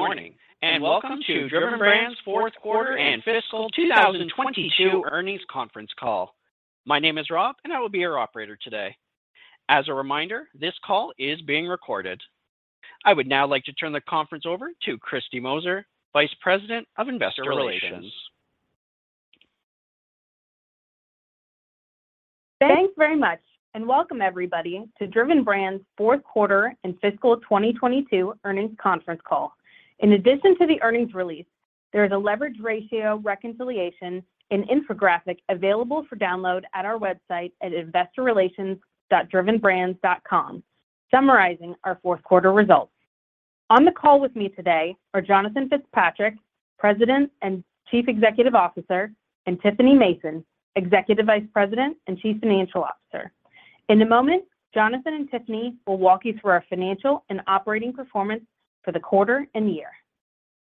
Good morning, and welcome to Driven Brands' fourth quarter and fiscal 2022 earnings conference call. My name is Rob, and I will be your operator today. As a reminder, this call is being recorded. I would now like to turn the conference over to Kristy Moser, Vice President of Investor Relations. Thanks very much, welcome everybody to Driven Brands' fourth quarter and fiscal 2022 earnings conference call. In addition to the earnings release, there is a leverage ratio reconciliation and infographic available for download at our website at investorrelations.drivenbrands.com summarizing our fourth quarter results. On the call with me today are Jonathan Fitzpatrick, President and Chief Executive Officer, and Tiffany Mason, Executive Vice President and Chief Financial Officer. In a moment, Jonathan and Tiffany will walk you through our financial and operating performance for the quarter and the year.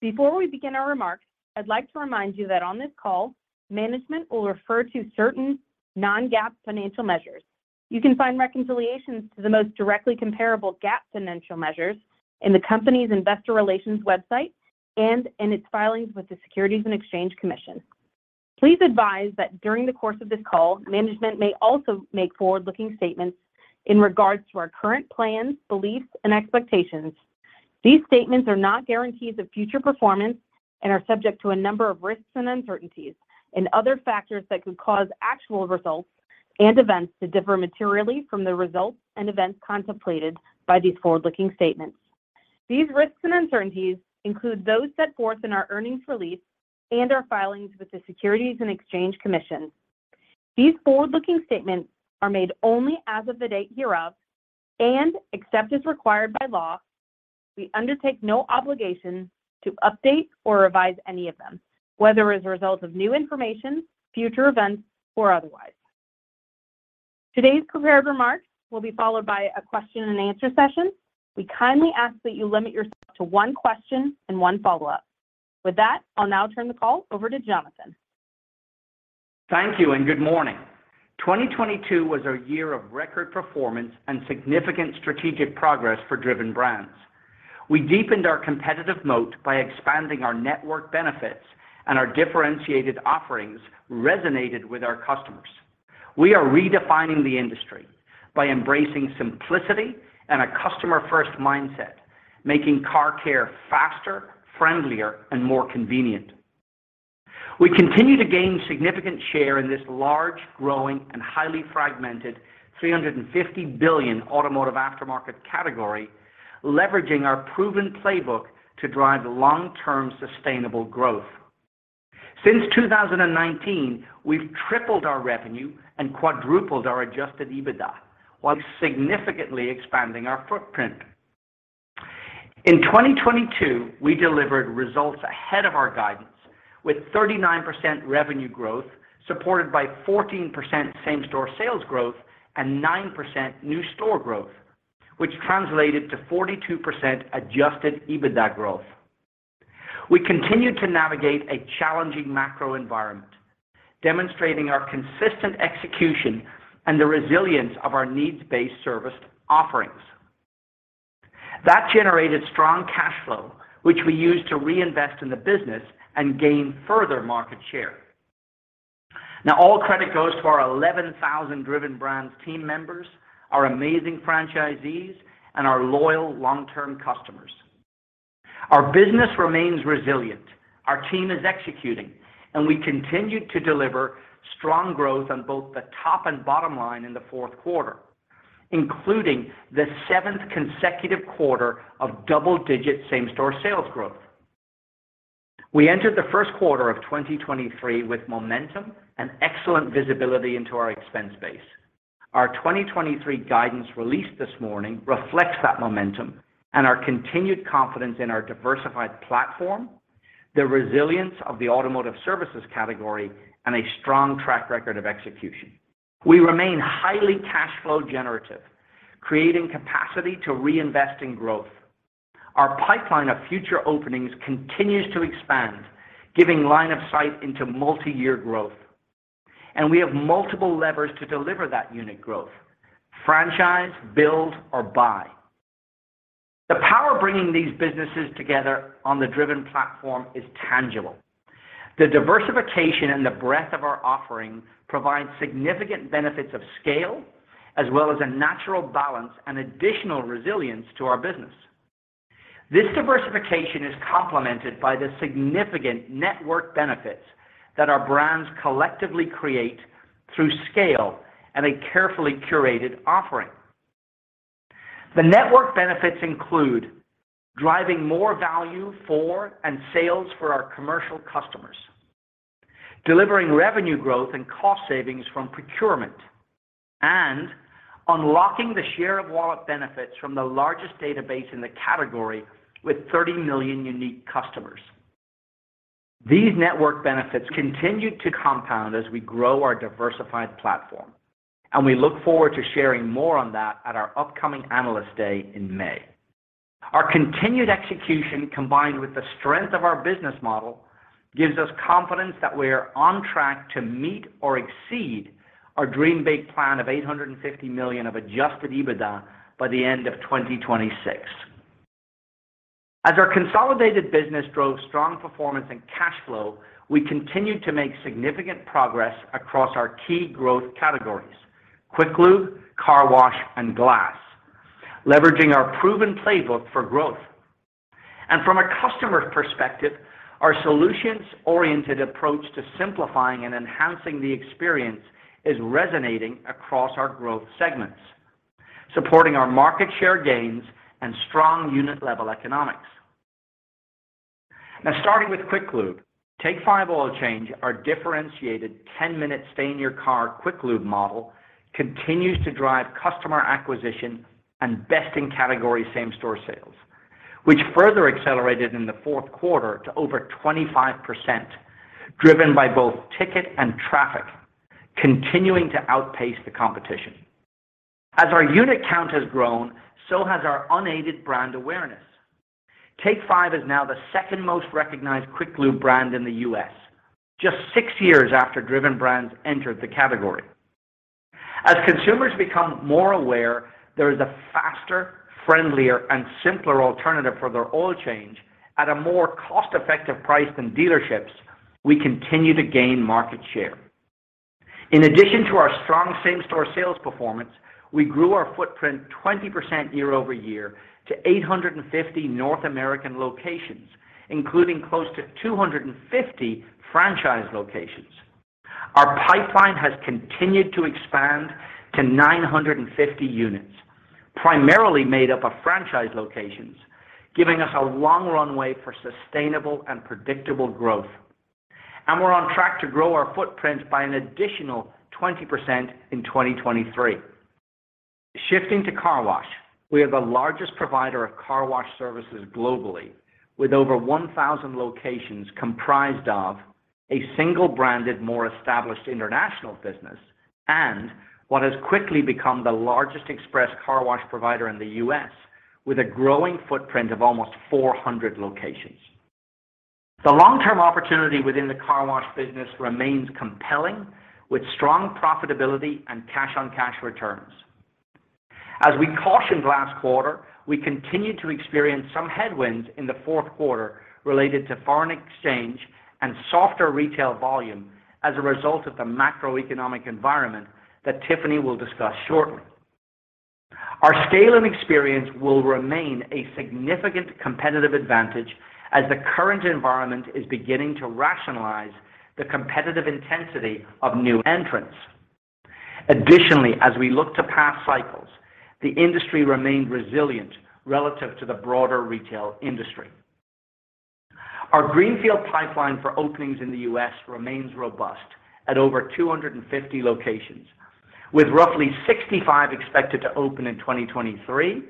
Before we begin our remarks, I'd like to remind you that on this call, management will refer to certain non-GAAP financial measures. You can find reconciliations to the most directly comparable GAAP financial measures in the company's investor relations website and in its filings with the Securities and Exchange Commission. Please advise that during the course of this call, management may also make forward-looking statements in regards to our current plans, beliefs, and expectations. These statements are not guarantees of future performance and are subject to a number of risks and uncertainties and other factors that could cause actual results and events to differ materially from the results and events contemplated by these forward-looking statements. These risks and uncertainties include those set forth in our earnings release and our filings with the Securities and Exchange Commission. These forward-looking statements are made only as of the date hereof, and except as required by law, we undertake no obligation to update or revise any of them, whether as a result of new information, future events, or otherwise. Today's prepared remarks will be followed by a question and answer session. We kindly ask that you limit yourself to one question and one follow-up. With that, I'll now turn the call over to Jonathan. Thank you and good morning. 2022 was our year of record performance and significant strategic progress for Driven Brands. We deepened our competitive moat by expanding our network benefits and our differentiated offerings resonated with our customers. We are redefining the industry by embracing simplicity and a customer-first mindset, making car care faster, friendlier, and more convenient. We continue to gain significant share in this large, growing, and highly fragmented $350 billion automotive aftermarket category, leveraging our proven playbook to drive long-term sustainable growth. Since 2019, we've tripled our revenue and quadrupled our Adjusted EBITDA while significantly expanding our footprint. In 2022, we delivered results ahead of our guidance with 39% revenue growth, supported by 14% same-store sales growth and 9% new store growth, which translated to 42% Adjusted EBITDA growth. We continued to navigate a challenging macro environment, demonstrating our consistent execution and the resilience of our needs-based service offerings. That generated strong cash flow, which we used to reinvest in the business and gain further market share. All credit goes to our 11,000 Driven Brands team members, our amazing franchisees, and our loyal long-term customers. Our business remains resilient, our team is executing, and we continued to deliver strong growth on both the top and bottom line in the fourth quarter, including the seventh consecutive quarter of double-digit same-store sales growth. We entered the first quarter of 2023 with momentum and excellent visibility into our expense base. Our 2023 guidance released this morning reflects that momentum and our continued confidence in our diversified platform, the resilience of the automotive services category, and a strong track record of execution. We remain highly cash flow generative, creating capacity to reinvest in growth. Our pipeline of future openings continues to expand, giving line of sight into multi-year growth. We have multiple levers to deliver that unit growth, franchise, build or buy. The power of bringing these businesses together on the Driven platform is tangible. The diversification and the breadth of our offering provides significant benefits of scale as well as a natural balance and additional resilience to our business. This diversification is complemented by the significant network benefits that our brands collectively create through scale and a carefully curated offering. The network benefits include driving more value for and sales for our commercial customers, delivering revenue growth and cost savings from procurement, and unlocking the share of wallet benefits from the largest database in the category with 30 million unique customers. These network benefits continue to compound as we grow our diversified platform. We look forward to sharing more on that at our upcoming Analyst Day in May. Our continued execution, combined with the strength of our business model gives us confidence that we are on track to meet or exceed our Dream Big plan of $850 million of Adjusted EBITDA by the end of 2026. As our consolidated business drove strong performance and cash flow, we continued to make significant progress across our key growth categories, Quick Lube, car wash, and glass, leveraging our proven playbook for growth. From a customer perspective, our solutions-oriented approach to simplifying and enhancing the experience is resonating across our growth segments, supporting our market share gains and strong unit-level economics. Now, starting with Quick Lube, Take 5 Oil Change, our differentiated 10-minute stay-in-your-car Quick Lube model, continues to drive customer acquisition and best-in-category same-store sales, which further accelerated in the fourth quarter to over 25%, driven by both ticket and traffic, continuing to outpace the competition. As our unit count has grown, so has our unaided brand awareness. Take 5 is now the second most recognized Quick Lube brand in the U.S., just six years after Driven Brands entered the category. As consumers become more aware, there is a faster, friendlier, and simpler alternative for their oil change at a more cost-effective price than dealerships, we continue to gain market share.In addition to our strong same-store sales performance, we grew our footprint 20% year-over-year to 850 North American locations, including close to 250 franchise locations. Our pipeline has continued to expand to 950 units, primarily made up of franchise locations, giving us a long runway for sustainable and predictable growth. We're on track to grow our footprint by an additional 20% in 2023. Shifting to car wash, we are the largest provider of car wash services globally with over 1,000 locations comprised of a single-branded, more established international business and what has quickly become the largest express car wash provider in the US with a growing footprint of almost 400 locations. The long-term opportunity within the car wash business remains compelling with strong profitability and cash-on-cash returns. As we cautioned last quarter, we continued to experience some headwinds in the fourth quarter related to foreign exchange and softer retail volume as a result of the macroeconomic environment that Tiffany will discuss shortly. Our scale and experience will remain a significant competitive advantage as the current environment is beginning to rationalize the competitive intensity of new entrants. As we look to past cycles, the industry remained resilient relative to the broader retail industry. Our greenfield pipeline for openings in the U.S. remains robust at over 250 locations, with roughly 65 expected to open in 2023,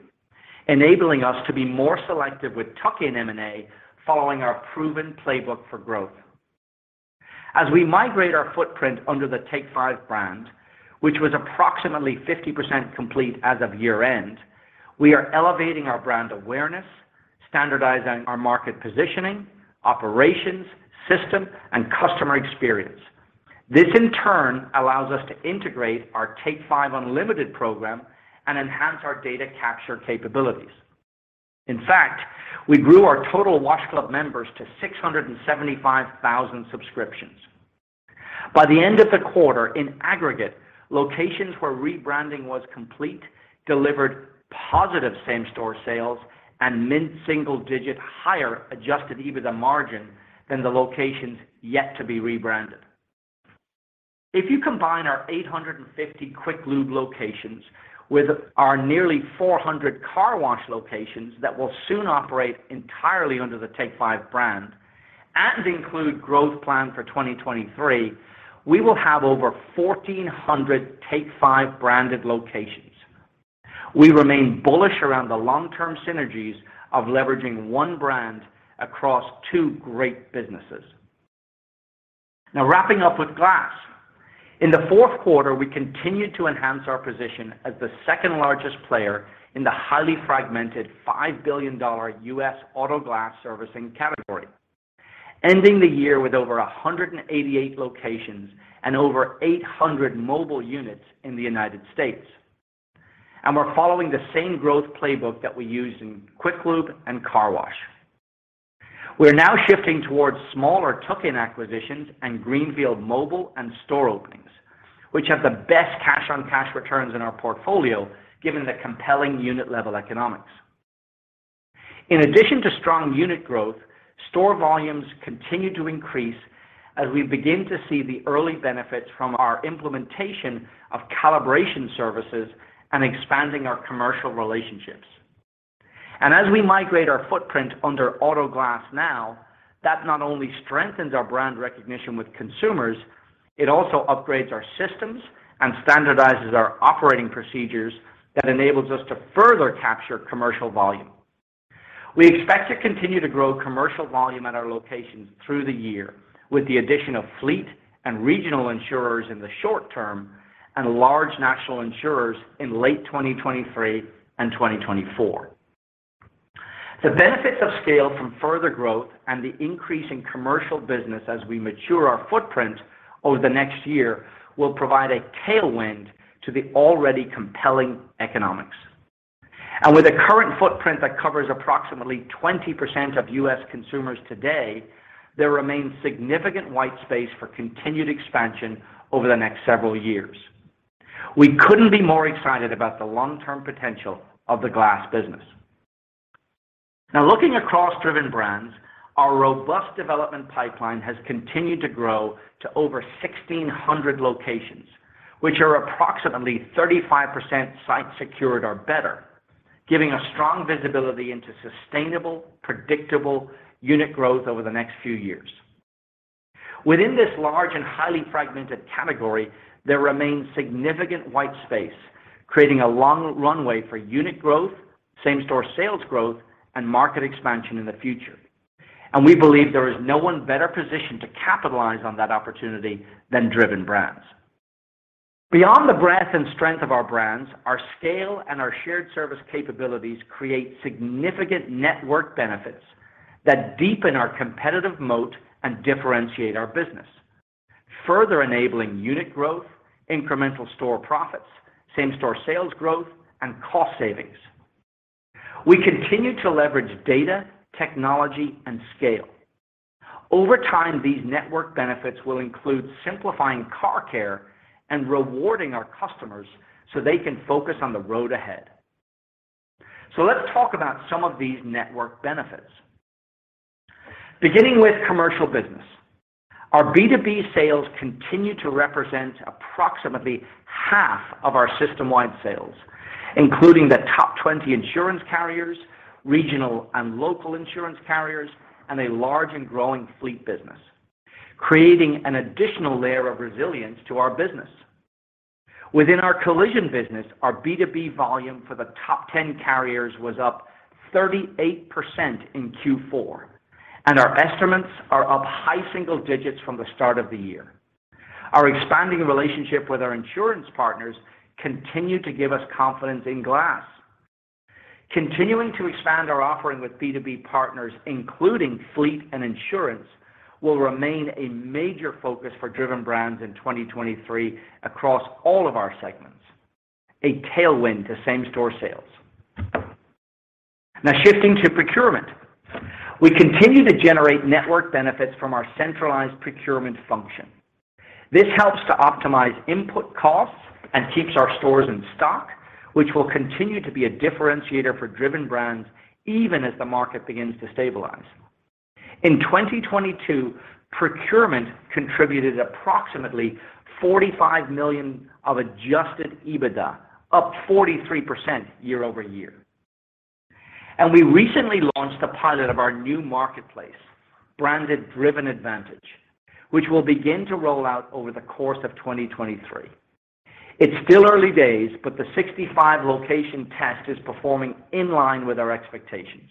enabling us to be more selective with tuck-in M&A following our proven playbook for growth. As we migrate our footprint under the Take 5 brand, which was approximately 50% complete as of year-end, we are elevating our brand awareness, standardizing our market positioning, operations, system, and customer experience. This, in turn, allows us to integrate our Take 5 Unlimited program and enhance our data capture capabilities. In fact, we grew our total wash club members to 675,000 subscriptions. By the end of the quarter, in aggregate, locations where rebranding was complete delivered positive same-store sales and mid-single digit higher Adjusted EBITDA margin than the locations yet to be rebranded. If you combine our 850 Quick Lube locations with our nearly 400 car wash locations that will soon operate entirely under the Take 5 brand and include growth plan for 2023, we will have over 1,400 Take 5 branded locations. We remain bullish around the long-term synergies of leveraging one brand across two great businesses. Wrapping up with glass. In the fourth quarter, we continued to enhance our position as the second-largest player in the highly fragmented $5 billion U.S. auto glass servicing category, ending the year with over 188 locations and over 800 mobile units in the United States. We're following the same growth playbook that we used in Quick Lube and car wash. We are now shifting towards smaller tuck-in acquisitions and greenfield mobile and store openings, which have the best cash-on-cash returns in our portfolio, given the compelling unit-level economics. In addition to strong unit growth, store volumes continue to increase as we begin to see the early benefits from our implementation of calibration services and expanding our commercial relationships. As we migrate our footprint under Auto Glass Now, that not only strengthens our brand recognition with consumers, it also upgrades our systems and standardizes our operating procedures that enables us to further capture commercial volume. We expect to continue to grow commercial volume at our locations through the year with the addition of fleet and regional insurers in the short term and large national insurers in late 2023 and 2024. The benefits of scale from further growth and the increase in commercial business as we mature our footprint over the next year will provide a tailwind to the already compelling economics. With a current footprint that covers approximately 20% of U.S. consumers today, there remains significant white space for continued expansion over the next several years. We couldn't be more excited about the long-term potential of the glass business. Looking across Driven Brands, our robust development pipeline has continued to grow to over 1,600 locations, which are approximately 35% site secured or better, giving us strong visibility into sustainable, predictable unit growth over the next few years. Within this large and highly fragmented category, there remains significant white space, creating a long runway for unit growth, same-store sales growth, and market expansion in the future. We believe there is no one better positioned to capitalize on that opportunity than Driven Brands. Beyond the breadth and strength of our brands, our scale and our shared service capabilities create significant network benefits that deepen our competitive moat and differentiate our business, further enabling unit growth, incremental store profits, same-store sales growth, and cost savings. We continue to leverage data, technology, and scale. Over time, these network benefits will include simplifying car care and rewarding our customers so they can focus on the road ahead. Let's talk about some of these network benefits. Beginning with commercial business, our B2B sales continue to represent approximately half of our system-wide sales, including the top 20 insurance carriers, regional and local insurance carriers, and a large and growing fleet business, creating an additional layer of resilience to our business. Within our collision business, our B2B volume for the top 10 carriers was up 38% in Q4. Our estimates are up high single digits from the start of the year. Our expanding relationship with our insurance partners continue to give us confidence in glass. Continuing to expand our offering with B2B partners, including fleet and insurance, will remain a major focus for Driven Brands in 2023 across all of our segments, a tailwind to same-store sales. Shifting to procurement, we continue to generate network benefits from our centralized procurement function. This helps to optimize input costs and keeps our stores in stock, which will continue to be a differentiator for Driven Brands even as the market begins to stabilize. In 2022, procurement contributed approximately $45 million of Adjusted EBITDA, up 43% year-over-year. We recently launched a pilot of our new marketplace, branded Driven Advantage, which will begin to roll out over the course of 2023. It's still early days, but the 65 location test is performing in line with our expectations.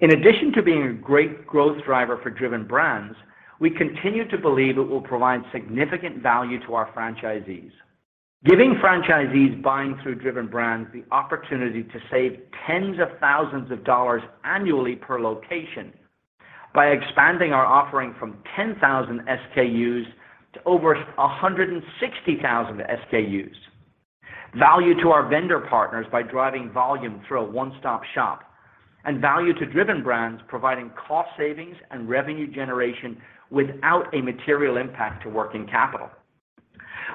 In addition to being a great growth driver for Driven Brands, we continue to believe it will provide significant value to our franchisees, giving franchisees buying through Driven Brands the opportunity to save tens of thousands of dollars annually per location by expanding our offering from 10,000 SKUs to over 160,000 SKUs, value to our vendor partners by driving volume through a one-stop shop, and value to Driven Brands providing cost savings and revenue generation without a material impact to working capital.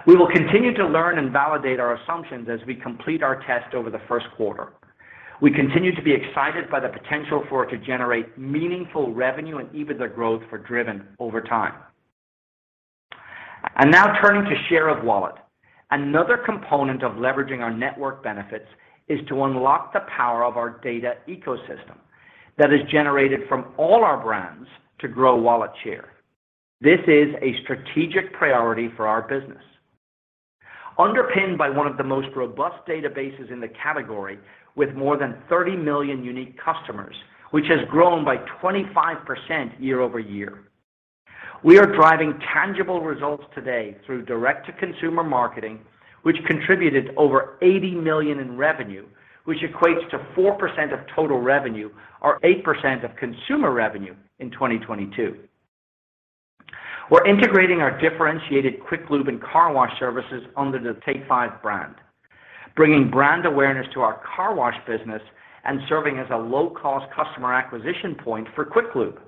We will continue to learn and validate our assumptions as we complete our test over the first quarter. We continue to be excited by the potential for it to generate meaningful revenue and EBITDA growth for Driven over time. Now turning to share of wallet. Another component of leveraging our network benefits is to unlock the power of our data ecosystem that is generated from all our brands to grow wallet share. This is a strategic priority for our business. Underpinned by one of the most robust databases in the category with more than 30 million unique customers, which has grown by 25% year-over-year. We are driving tangible results today through direct-to-consumer marketing, which contributed over $80 million in revenue, which equates to 4% of total revenue or 8% of consumer revenue in 2022. We're integrating our differentiated Quick Lube and car wash services under the Take 5 brand, bringing brand awareness to our car wash business and serving as a low-cost customer acquisition point for Quick Lube.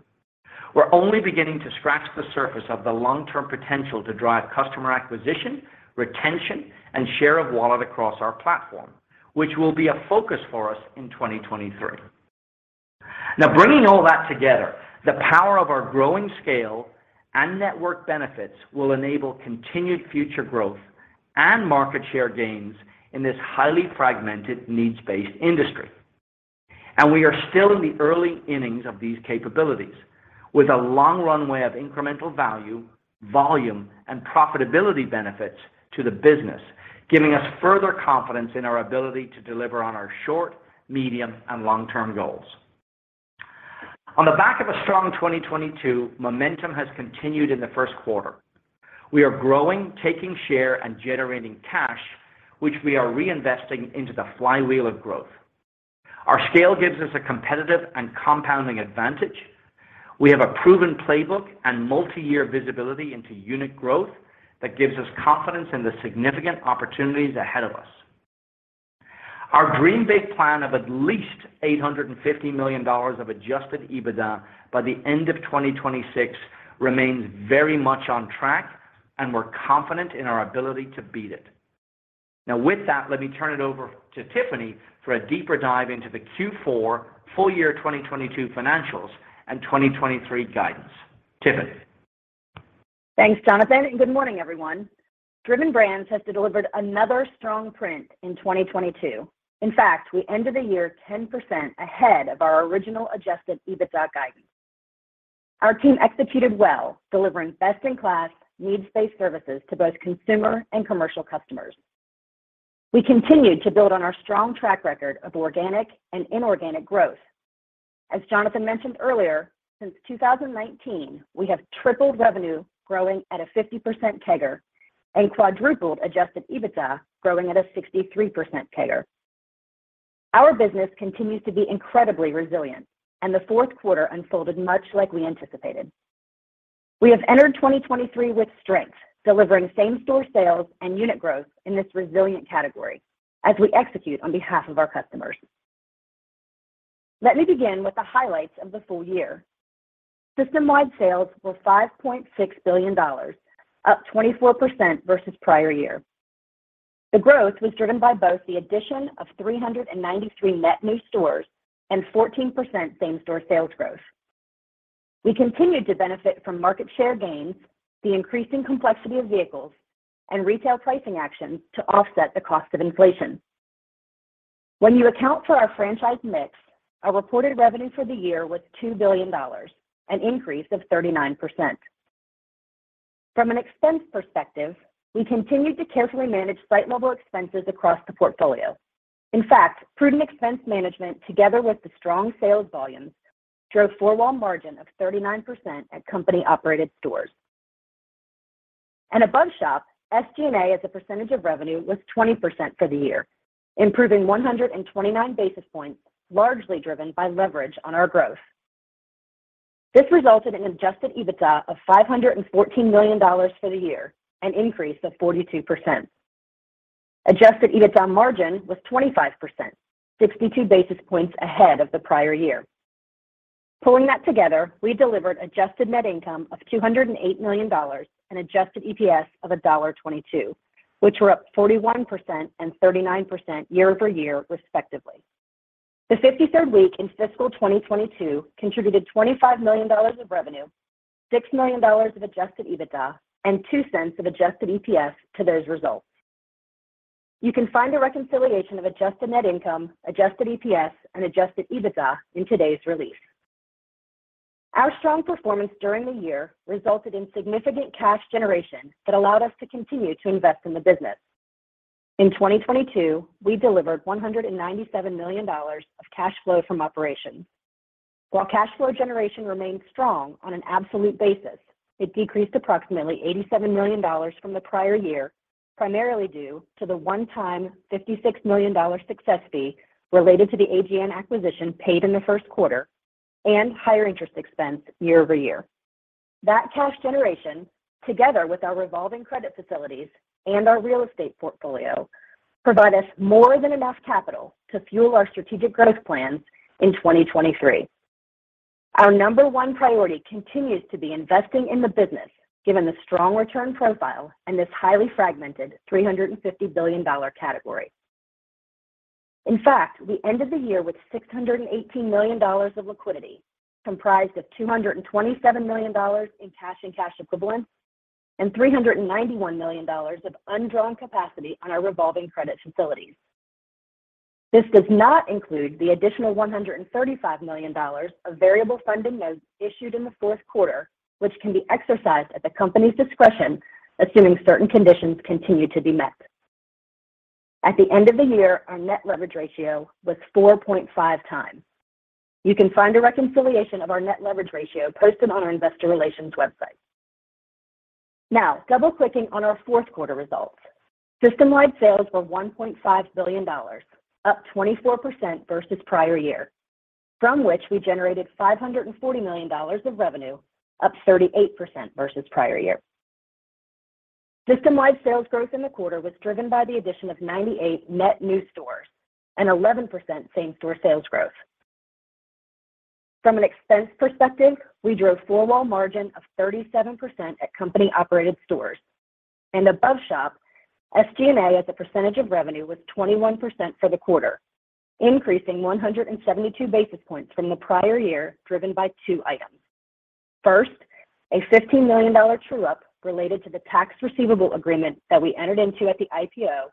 We're only beginning to scratch the surface of the long-term potential to drive customer acquisition, retention, and share of wallet across our platform, which will be a focus for us in 2023. Bringing all that together, the power of our growing scale and network benefits will enable continued future growth and market share gains in this highly fragmented needs-based industry. We are still in the early innings of these capabilities with a long runway of incremental value, volume, and profitability benefits to the business, giving us further confidence in our ability to deliver on our short, medium, and long-term goals. On the back of a strong 2022, momentum has continued in the first quarter. We are growing, taking share, and generating cash, which we are reinvesting into the flywheel of growth. Our scale gives us a competitive and compounding advantage. We have a proven playbook and multi-year visibility into unit growth that gives us confidence in the significant opportunities ahead of us. Our Dream Big plan of at least $850 million of Adjusted EBITDA by the end of 2026 remains very much on track. We're confident in our ability to beat it. With that, let me turn it over to Tiffany for a deeper dive into the Q4 full year 2022 financials and 2023 guidance. Tiffany. Thanks, Jonathan. Good morning, everyone. Driven Brands has delivered another strong print in 2022. In fact, we ended the year 10% ahead of our original Adjusted EBITDA guidance. Our team executed well, delivering best-in-class, needs-based services to both consumer and commercial customers. We continued to build on our strong track record of organic and inorganic growth. As Jonathan mentioned earlier, since 2019, we have tripled revenue, growing at a 50% CAGR, and quadrupled Adjusted EBITDA, growing at a 63% CAGR. Our business continues to be incredibly resilient, and the fourth quarter unfolded much like we anticipated. We have entered 2023 with strength, delivering same-store sales and unit growth in this resilient category as we execute on behalf of our customers. Let me begin with the highlights of the full year. System-wide sales were $5.6 billion, up 24% versus prior year. The growth was driven by both the addition of 393 net new stores and 14% same-store sales growth. We continued to benefit from market share gains, the increasing complexity of vehicles, and retail pricing actions to offset the cost of inflation. When you account for our franchise mix, our reported revenue for the year was $2 billion, an increase of 39%. From an expense perspective, we continued to carefully manage site level expenses across the portfolio. In fact, prudent expense management together with the strong sales volumes drove four-wall margin of 39% at company-operated stores. Above shop, SG&A as a percentage of revenue was 20% for the year, improving 129 basis points, largely driven by leverage on our growth. This resulted in Adjusted EBITDA of $514 million for the year, an increase of 42%. Adjusted EBITDA margin was 25%, 62 basis points ahead of the prior year. Pulling that together, we delivered adjusted net income of $208 million and adjusted EPS of $1.22, which were up 41% and 39% year-over-year, respectively. The 53rd week in fiscal 2022 contributed $25 million of revenue, $6 million of Adjusted EBITDA, and $0.02 of adjusted EPS to those results. You can find a reconciliation of adjusted net income, adjusted EPS, and Adjusted EBITDA in today's release. Our strong performance during the year resulted in significant cash generation that allowed us to continue to invest in the business. In 2022, we delivered $197 million of cash flow from operations. While cash flow generation remains strong on an absolute basis, it decreased approximately $87 million from the prior year, primarily due to the one-time $56 million success fee related to the AGN acquisition paid in the first quarter and higher interest expense year-over-year. That cash generation, together with our revolving credit facilities and our real estate portfolio, provide us more than enough capital to fuel our strategic growth plans in 2023. Our number one priority continues to be investing in the business, given the strong return profile in this highly fragmented $350 billion category. In fact, we ended the year with $618 million of liquidity, comprised of $227 million in cash and cash equivalents and $391 million of undrawn capacity on our revolving credit facilities. This does not include the additional $135 million of Variable Funding Notes issued in the fourth quarter, which can be exercised at the company's discretion, assuming certain conditions continue to be met. At the end of the year, our net leverage ratio was 4.5 times. You can find a reconciliation of our net leverage ratio posted on our investor relations website. Double-clicking on our fourth quarter results. System-wide sales were $1.5 billion, up 24% versus prior year, from which we generated $540 million of revenue, up 38% versus prior year. System-wide sales growth in the quarter was driven by the addition of 98 net new stores and 11% same-store sales growth. From an expense perspective, we drove four-wall margin of 37% at company-operated stores. Above shop, SG&A as a percentage of revenue was 21% for the quarter, increasing 172 basis points from the prior year, driven by 2 items. First, a $15 million true-up related to the Tax Receivable Agreement that we entered into at the IPO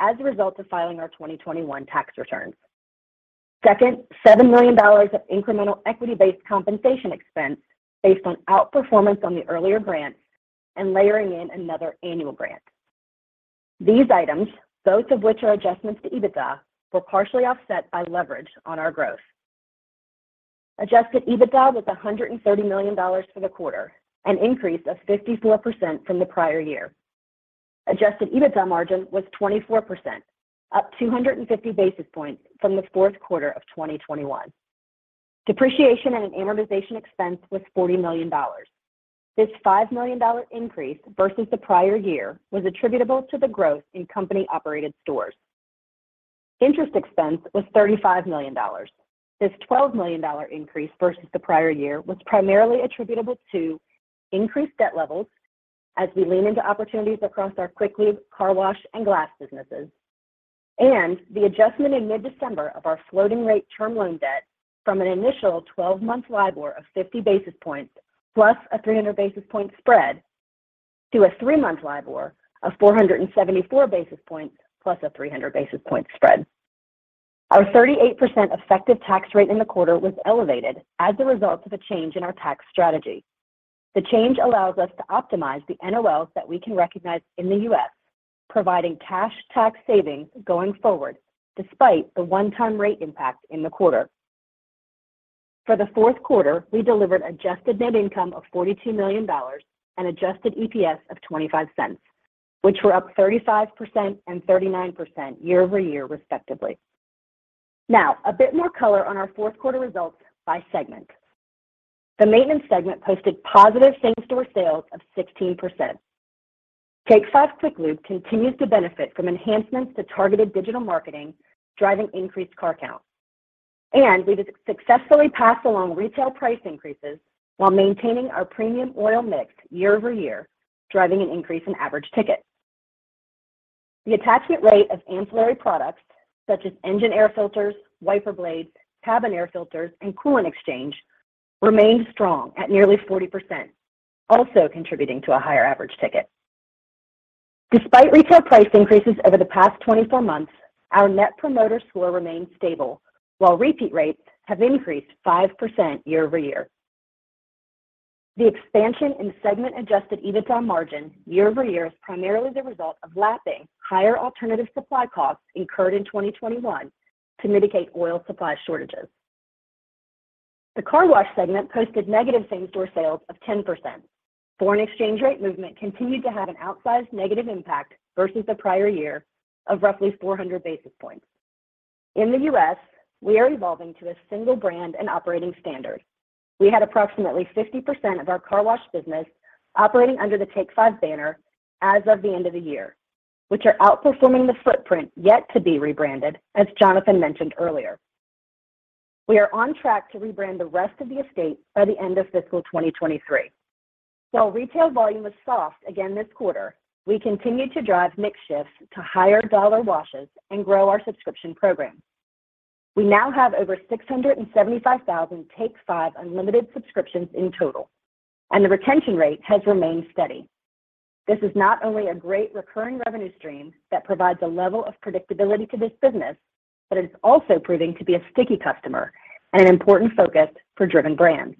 as a result of filing our 2021 tax returns. Second, $7 million of incremental equity-based compensation expense based on outperformance on the earlier grant and layering in another annual grant. These items, both of which are adjustments to EBITDA, were partially offset by leverage on our growth. Adjusted EBITDA was $130 million for the quarter, an increase of 54% from the prior year. Adjusted EBITDA margin was 24%, up 250 basis points from the fourth quarter of 2021. Depreciation and amortization expense was $40 million. This $5 million increase versus the prior year was attributable to the growth in company-operated stores. Interest expense was $35 million. This $12 million increase versus the prior year was primarily attributable to increased debt levels as we lean into opportunities across our Quick Lube, car wash, and glass businesses. The adjustment in mid-December of our floating rate term loan debt from an initial 12-month LIBOR of 50 basis points plus a 300 basis point spread to a 3-month LIBOR of 474 basis points plus a 300 basis point spread. Our 38% effective tax rate in the quarter was elevated as a result of a change in our tax strategy. The change allows us to optimize the NOLs that we can recognize in the U.S., providing cash tax savings going forward despite the one-time rate impact in the quarter. For the fourth quarter, we delivered adjusted net income of $42 million and adjusted EPS of $0.25, which were up 35% and 39% year-over-year respectively. Now, a bit more color on our fourth quarter results by segment. The maintenance segment posted positive same-store sales of 16%. Take 5 Quick Lube continues to benefit from enhancements to targeted digital marketing, driving increased car count. We have successfully passed along retail price increases while maintaining our premium oil mix year-over-year, driving an increase in average ticket. The attachment rate of ancillary products, such as engine air filters, wiper blades, cabin air filters, and coolant exchange, remained strong at nearly 40%, also contributing to a higher average ticket. Despite retail price increases over the past 24 months, our Net Promoter Score remained stable, while repeat rates have increased 5% year-over-year. The expansion in segment Adjusted EBITDA margin year-over-year is primarily the result of lapping higher alternative supply costs incurred in 2021 to mitigate oil supply shortages. The car wash segment posted negative same-store sales of 10%. Foreign exchange rate movement continued to have an outsized negative impact versus the prior year of roughly 400 basis points. In the U.S., we are evolving to a single brand and operating standard. We had approximately 50% of our car wash business operating under the Take 5 banner as of the end of the year, which are outperforming the footprint yet to be rebranded, as Jonathan mentioned earlier. We are on track to rebrand the rest of the estate by the end of fiscal 2023. While retail volume was soft again this quarter, we continued to drive mix shifts to higher dollar washes and grow our subscription program. We now have over 675,000 Take 5 Unlimited subscriptions in total, and the retention rate has remained steady. This is not only a great recurring revenue stream that provides a level of predictability to this business, but it is also proving to be a sticky customer and an important focus for Driven Brands.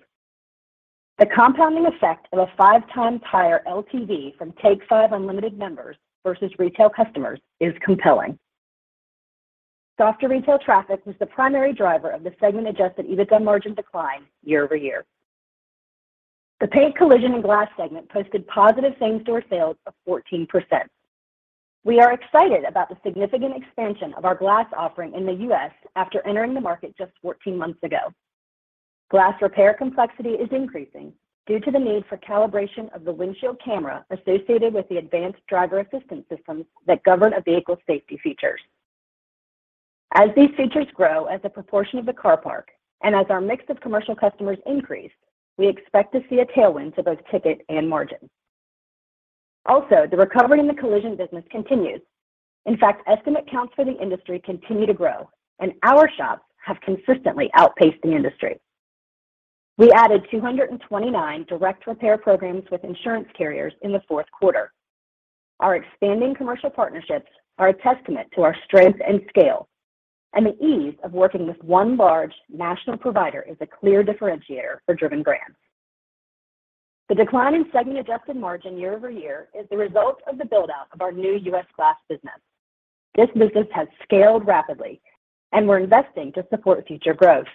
The compounding effect of a 5-time higher LTV from Take 5 Unlimited members versus retail customers is compelling. Softer retail traffic was the primary driver of the segment Adjusted EBITDA margin decline year-over-year. The paint, collision, and glass segment posted positive same-store sales of 14%. We are excited about the significant expansion of our glass offering in the U.S. after entering the market just 14 months ago. Glass repair complexity is increasing due to the need for calibration of the windshield camera associated with the advanced driver assistance systems that govern a vehicle's safety features. As these features grow as a proportion of the car park, and as our mix of commercial customers increase, we expect to see a tailwind to both ticket and margin. The recovery in the collision business continues. In fact, estimate counts for the industry continue to grow, and our shops have consistently outpaced the industry. We added 229 direct repair programs with insurance carriers in the fourth quarter. Our expanding commercial partnerships are a testament to our strength and scale, and the ease of working with one large national provider is a clear differentiator for Driven Brands. The decline in segment adjusted margin year-over-year is the result of the build-out of our new US glass business. This business has scaled rapidly, and we're investing to support future growth.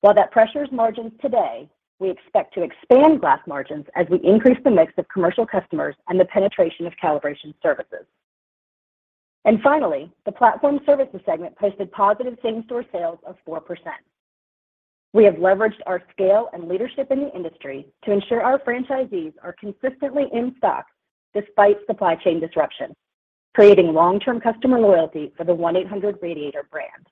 While that pressures margins today, we expect to expand glass margins as we increase the mix of commercial customers and the penetration of calibration services. Finally, the platform services segment posted positive same-store sales of 4%. We have leveraged our scale and leadership in the industry to ensure our franchisees are consistently in stock despite supply chain disruptions, creating long-term customer loyalty for the 1-800-Radiator brand.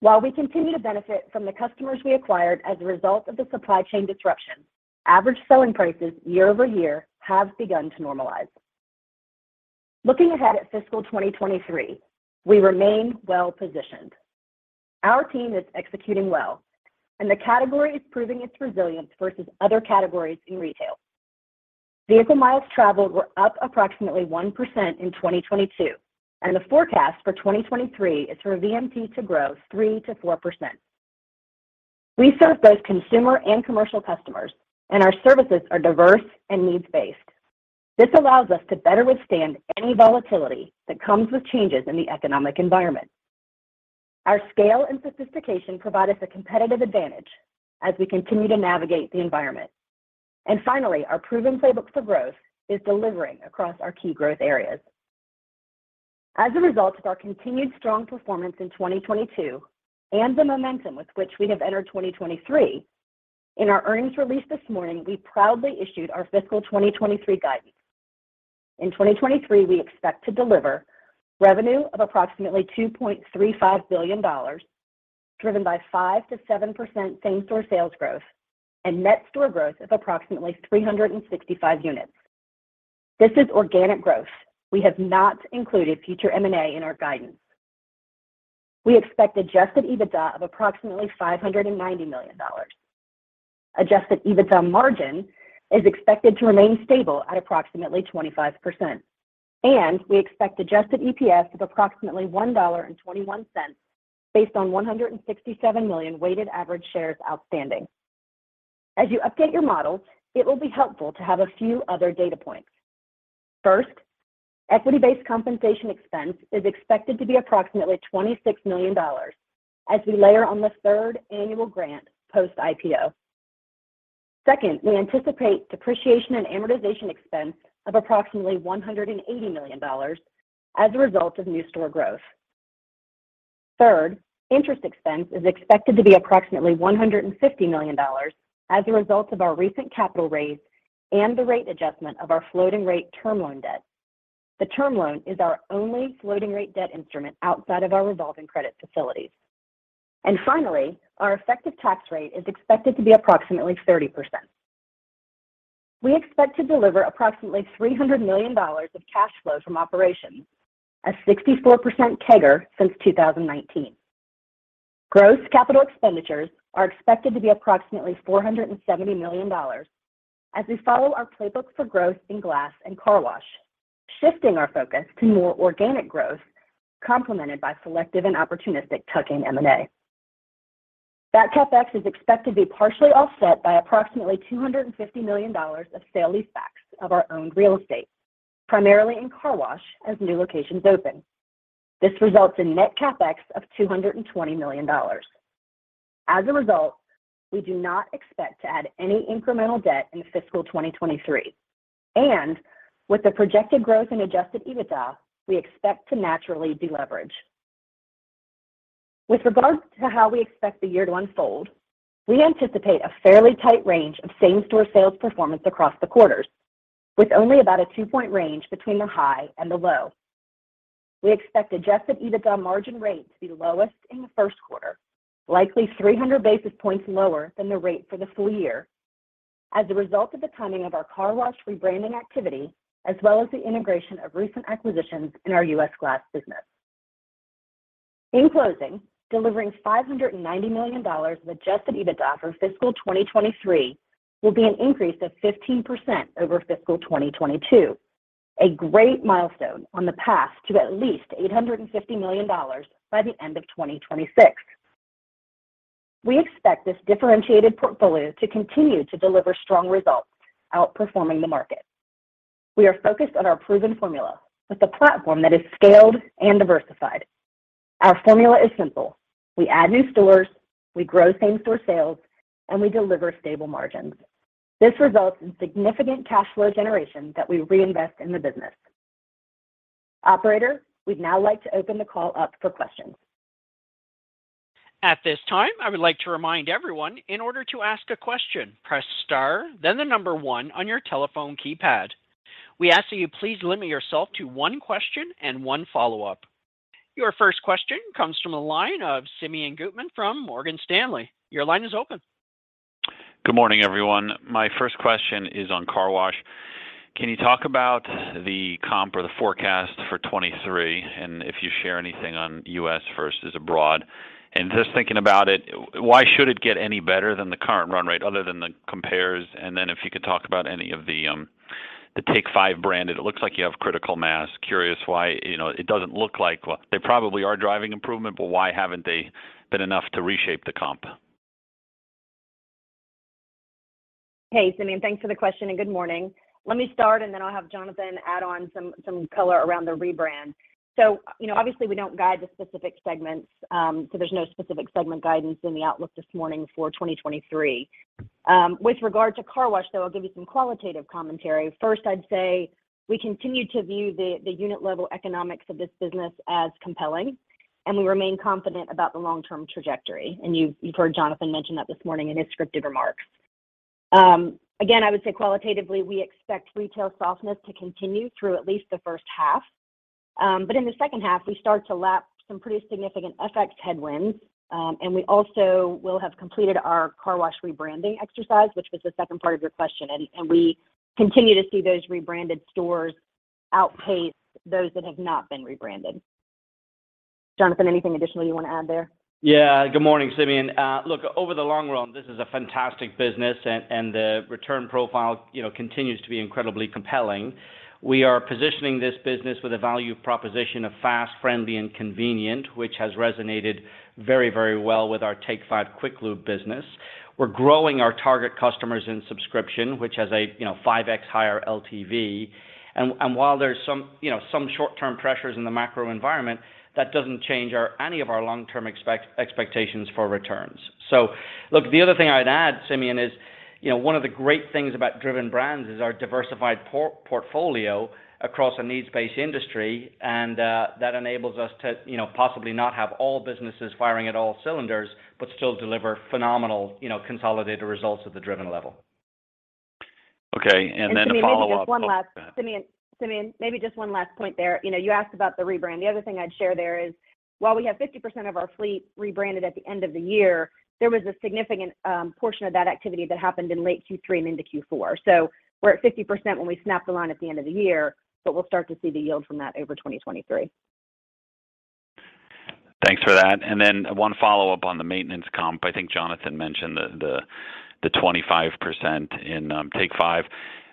While we continue to benefit from the customers we acquired as a result of the supply chain disruption, average selling prices year-over-year have begun to normalize. Looking ahead at fiscal 2023, we remain well-positioned. Our team is executing well. The category is proving its resilience versus other categories in retail. Vehicle miles traveled were up approximately 1% in 2022, and the forecast for 2023 is for VMT to grow 3%-4%. We serve both consumer and commercial customers, and our services are diverse and needs-based. This allows us to better withstand any volatility that comes with changes in the economic environment. Our scale and sophistication provide us a competitive advantage as we continue to navigate the environment. Finally, our proven playbook for growth is delivering across our key growth areas. As a result of our continued strong performance in 2022 and the momentum with which we have entered 2023, in our earnings release this morning, we proudly issued our fiscal 2023 guidance. In 2023, we expect to deliver revenue of approximately $2.35 billion, driven by 5%-7% same-store sales growth and net store growth of approximately 365 units. This is organic growth. We have not included future M&A in our guidance. We expect Adjusted EBITDA of approximately $590 million. Adjusted EBITDA margin is expected to remain stable at approximately 25%, and we expect adjusted EPS of approximately $1.21, based on 167 million weighted average shares outstanding. As you update your model, it will be helpful to have a few other data points. First, equity-based compensation expense is expected to be approximately $26 million as we layer on the third annual grant post-IPO. Second, we anticipate depreciation and amortization expense of approximately $180 million as a result of new store growth. Third, interest expense is expected to be approximately $150 million as a result of our recent capital raise and the rate adjustment of our floating rate term loan debt. The term loan is our only floating rate debt instrument outside of our revolving credit facilities. Finally, our effective tax rate is expected to be approximately 30%. We expect to deliver approximately $300 million of cash flow from operations, a 64% CAGR since 2019. Gross capital expenditures are expected to be approximately $470 million as we follow our playbook for growth in glass and car wash, shifting our focus to more organic growth, complemented by selective and opportunistic tuck-in M&A. That CapEx is expected to be partially offset by approximately $250 million of sale-leasebacks of our owned real estate, primarily in car wash, as new locations open. This results in net CapEx of $220 million. As a result, we do not expect to add any incremental debt in fiscal 2023. With the projected growth in Adjusted EBITDA, we expect to naturally deleverage. With regards to how we expect the year to unfold, we anticipate a fairly tight range of same-store sales performance across the quarters, with only about a 2-point range between the high and the low. We expect Adjusted EBITDA margin rate to be lowest in the first quarter, likely 300 basis points lower than the rate for the full year as a result of the timing of our car wash rebranding activity, as well as the integration of recent acquisitions in our U.S. glass business. In closing, delivering $590 million of Adjusted EBITDA for fiscal 2023 will be an increase of 15% over fiscal 2022, a great milestone on the path to at least $850 million by the end of 2026. We expect this differentiated portfolio to continue to deliver strong results, outperforming the market. We are focused on our proven formula with a platform that is scaled and diversified. Our formula is simple. We add new stores, we grow same-store sales, we deliver stable margins. This results in significant cash flow generation that we reinvest in the business. Operator, we'd now like to open the call up for questions. At this time, I would like to remind everyone, in order to ask a question, press star, then the number 1 on your telephone keypad. We ask that you please limit yourself to 1 question and 1 follow-up. Your first question comes from the line of Simeon Gutman from Morgan Stanley. Your line is open. Good morning, everyone. My first question is on car wash. Can you talk about the comp or the forecast for 23, if you share anything on US versus abroad? Just thinking about it, why should it get any better than the current run rate other than the compares? If you could talk about any of the Take 5 brand. It looks like you have critical mass. Curious why... You know, Well, they probably are driving improvement, but why haven't they been enough to reshape the comp? Hey, Simeon. Thanks for the question, and good morning. Let me start, and then I'll have Jonathan add on some color around the rebrand. You know, obviously, we don't guide the specific segments, there's no specific segment guidance in the outlook this morning for 2023. With regard to car wash, though, I'll give you some qualitative commentary. First, I'd say we continue to view the unit-level economics of this business as compelling, and we remain confident about the long-term trajectory. You've heard Jonathan mention that this morning in his scripted remarks. Again, I would say qualitatively, we expect retail softness to continue through at least the first half. In the second half, we start to lap some pretty significant FX headwinds, and we also will have completed our car wash rebranding exercise, which was the second part of your question. We continue to see those rebranded stores outpace those that have not been rebranded. Jonathan, anything additional you want to add there? Yeah. Good morning, Simeon. Look, over the long run, this is a fantastic business. The return profile, you know, continues to be incredibly compelling. We are positioning this business with a value proposition of fast, friendly, and convenient, which has resonated very, very well with our Take 5 Quick Lube business. We're growing our target customers in subscription, which has a, you know, 5x higher LTV. While there's some, you know, some short-term pressures in the macro environment, that doesn't change any of our long-term expectations for returns. Look, the other thing I'd add, Simeon, is, you know, one of the great things about Driven Brands is our diversified portfolio across a needs-based industry. That enables us to, you know, possibly not have all businesses firing at all cylinders, but still deliver phenomenal, you know, consolidated results at the Driven level. Okay. A follow-up. Simeon, maybe just one last point there. You know, you asked about the rebrand. The other thing I'd share there is, while we have 50% of our fleet rebranded at the end of the year, there was a significant portion of that activity that happened in late Q3 and into Q4. We're at 50% when we snap the line at the end of the year, but we'll start to see the yield from that over 2023. Thanks for that. One follow-up on the maintenance comp. I think Jonathan mentioned the 25% in Take 5.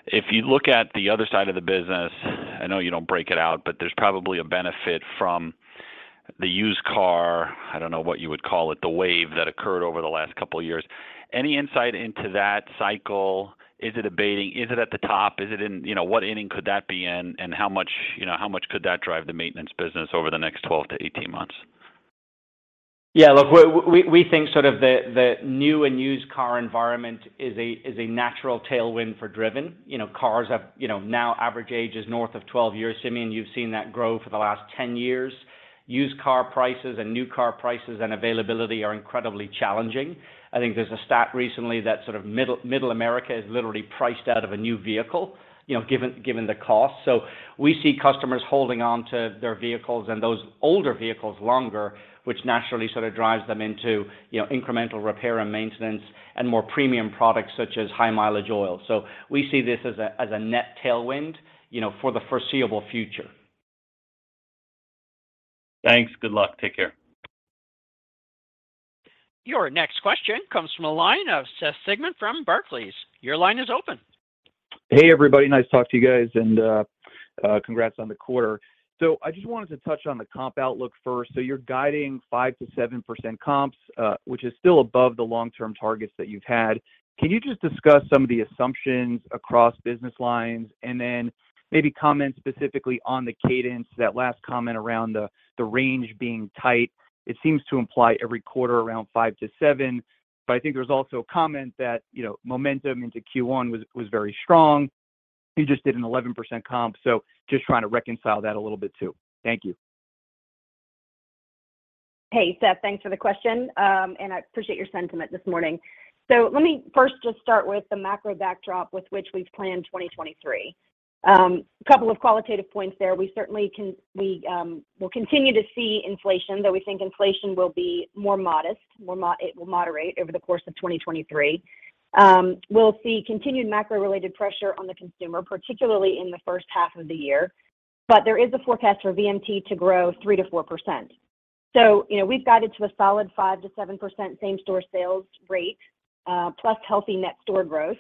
If you look at the other side of the business, I know you don't break it out, but there's probably a benefit from the used car, I don't know what you would call it, the wave that occurred over the last couple of years. Any insight into that cycle? Is it abating? Is it at the top? You know, what inning could that be in, and how much could that drive the maintenance business over the next 12 to 18 months? Look, we think sort of the new and used car environment is a natural tailwind for Driven. You know, cars have, you know, now average age is north of 12 years, Simeon. You've seen that grow for the last 10 years. Used car prices and new car prices and availability are incredibly challenging. I think there's a stat recently that sort of middle America is literally priced out of a new vehicle, you know, given the cost. We see customers holding on to their vehicles and those older vehicles longer, which naturally sort of drives them into, you know, incremental repair and maintenance and more premium products such as high-mileage oil. We see this as a net tailwind, you know, for the foreseeable future. Thanks. Good luck. Take care. Your next question comes from the line of Seth Sigman from Barclays. Your line is open. Hey, everybody. Nice to talk to you guys, congrats on the quarter. I just wanted to touch on the comp outlook first. You're guiding 5%-7% comps, which is still above the long-term targets that you've had. Can you just discuss some of the assumptions across business lines and then maybe comment specifically on the cadence, that last comment around the range being tight? It seems to imply every quarter around 5%-7%, I think there's also a comment that, you know, momentum into Q1 was very strong. You just did an 11% comp, just trying to reconcile that a little bit too. Thank you. Hey, Seth. Thanks for the question. I appreciate your sentiment this morning. Let me first just start with the macro backdrop with which we've planned 2023. Couple of qualitative points there. We will continue to see inflation, though we think inflation will be more modest, it will moderate over the course of 2023. We'll see continued macro-related pressure on the consumer, particularly in the first half of the year. There is a forecast for VMT to grow 3%-4%. You know, we've guided to a solid 5%-7% same-store sales rate, plus healthy net store growth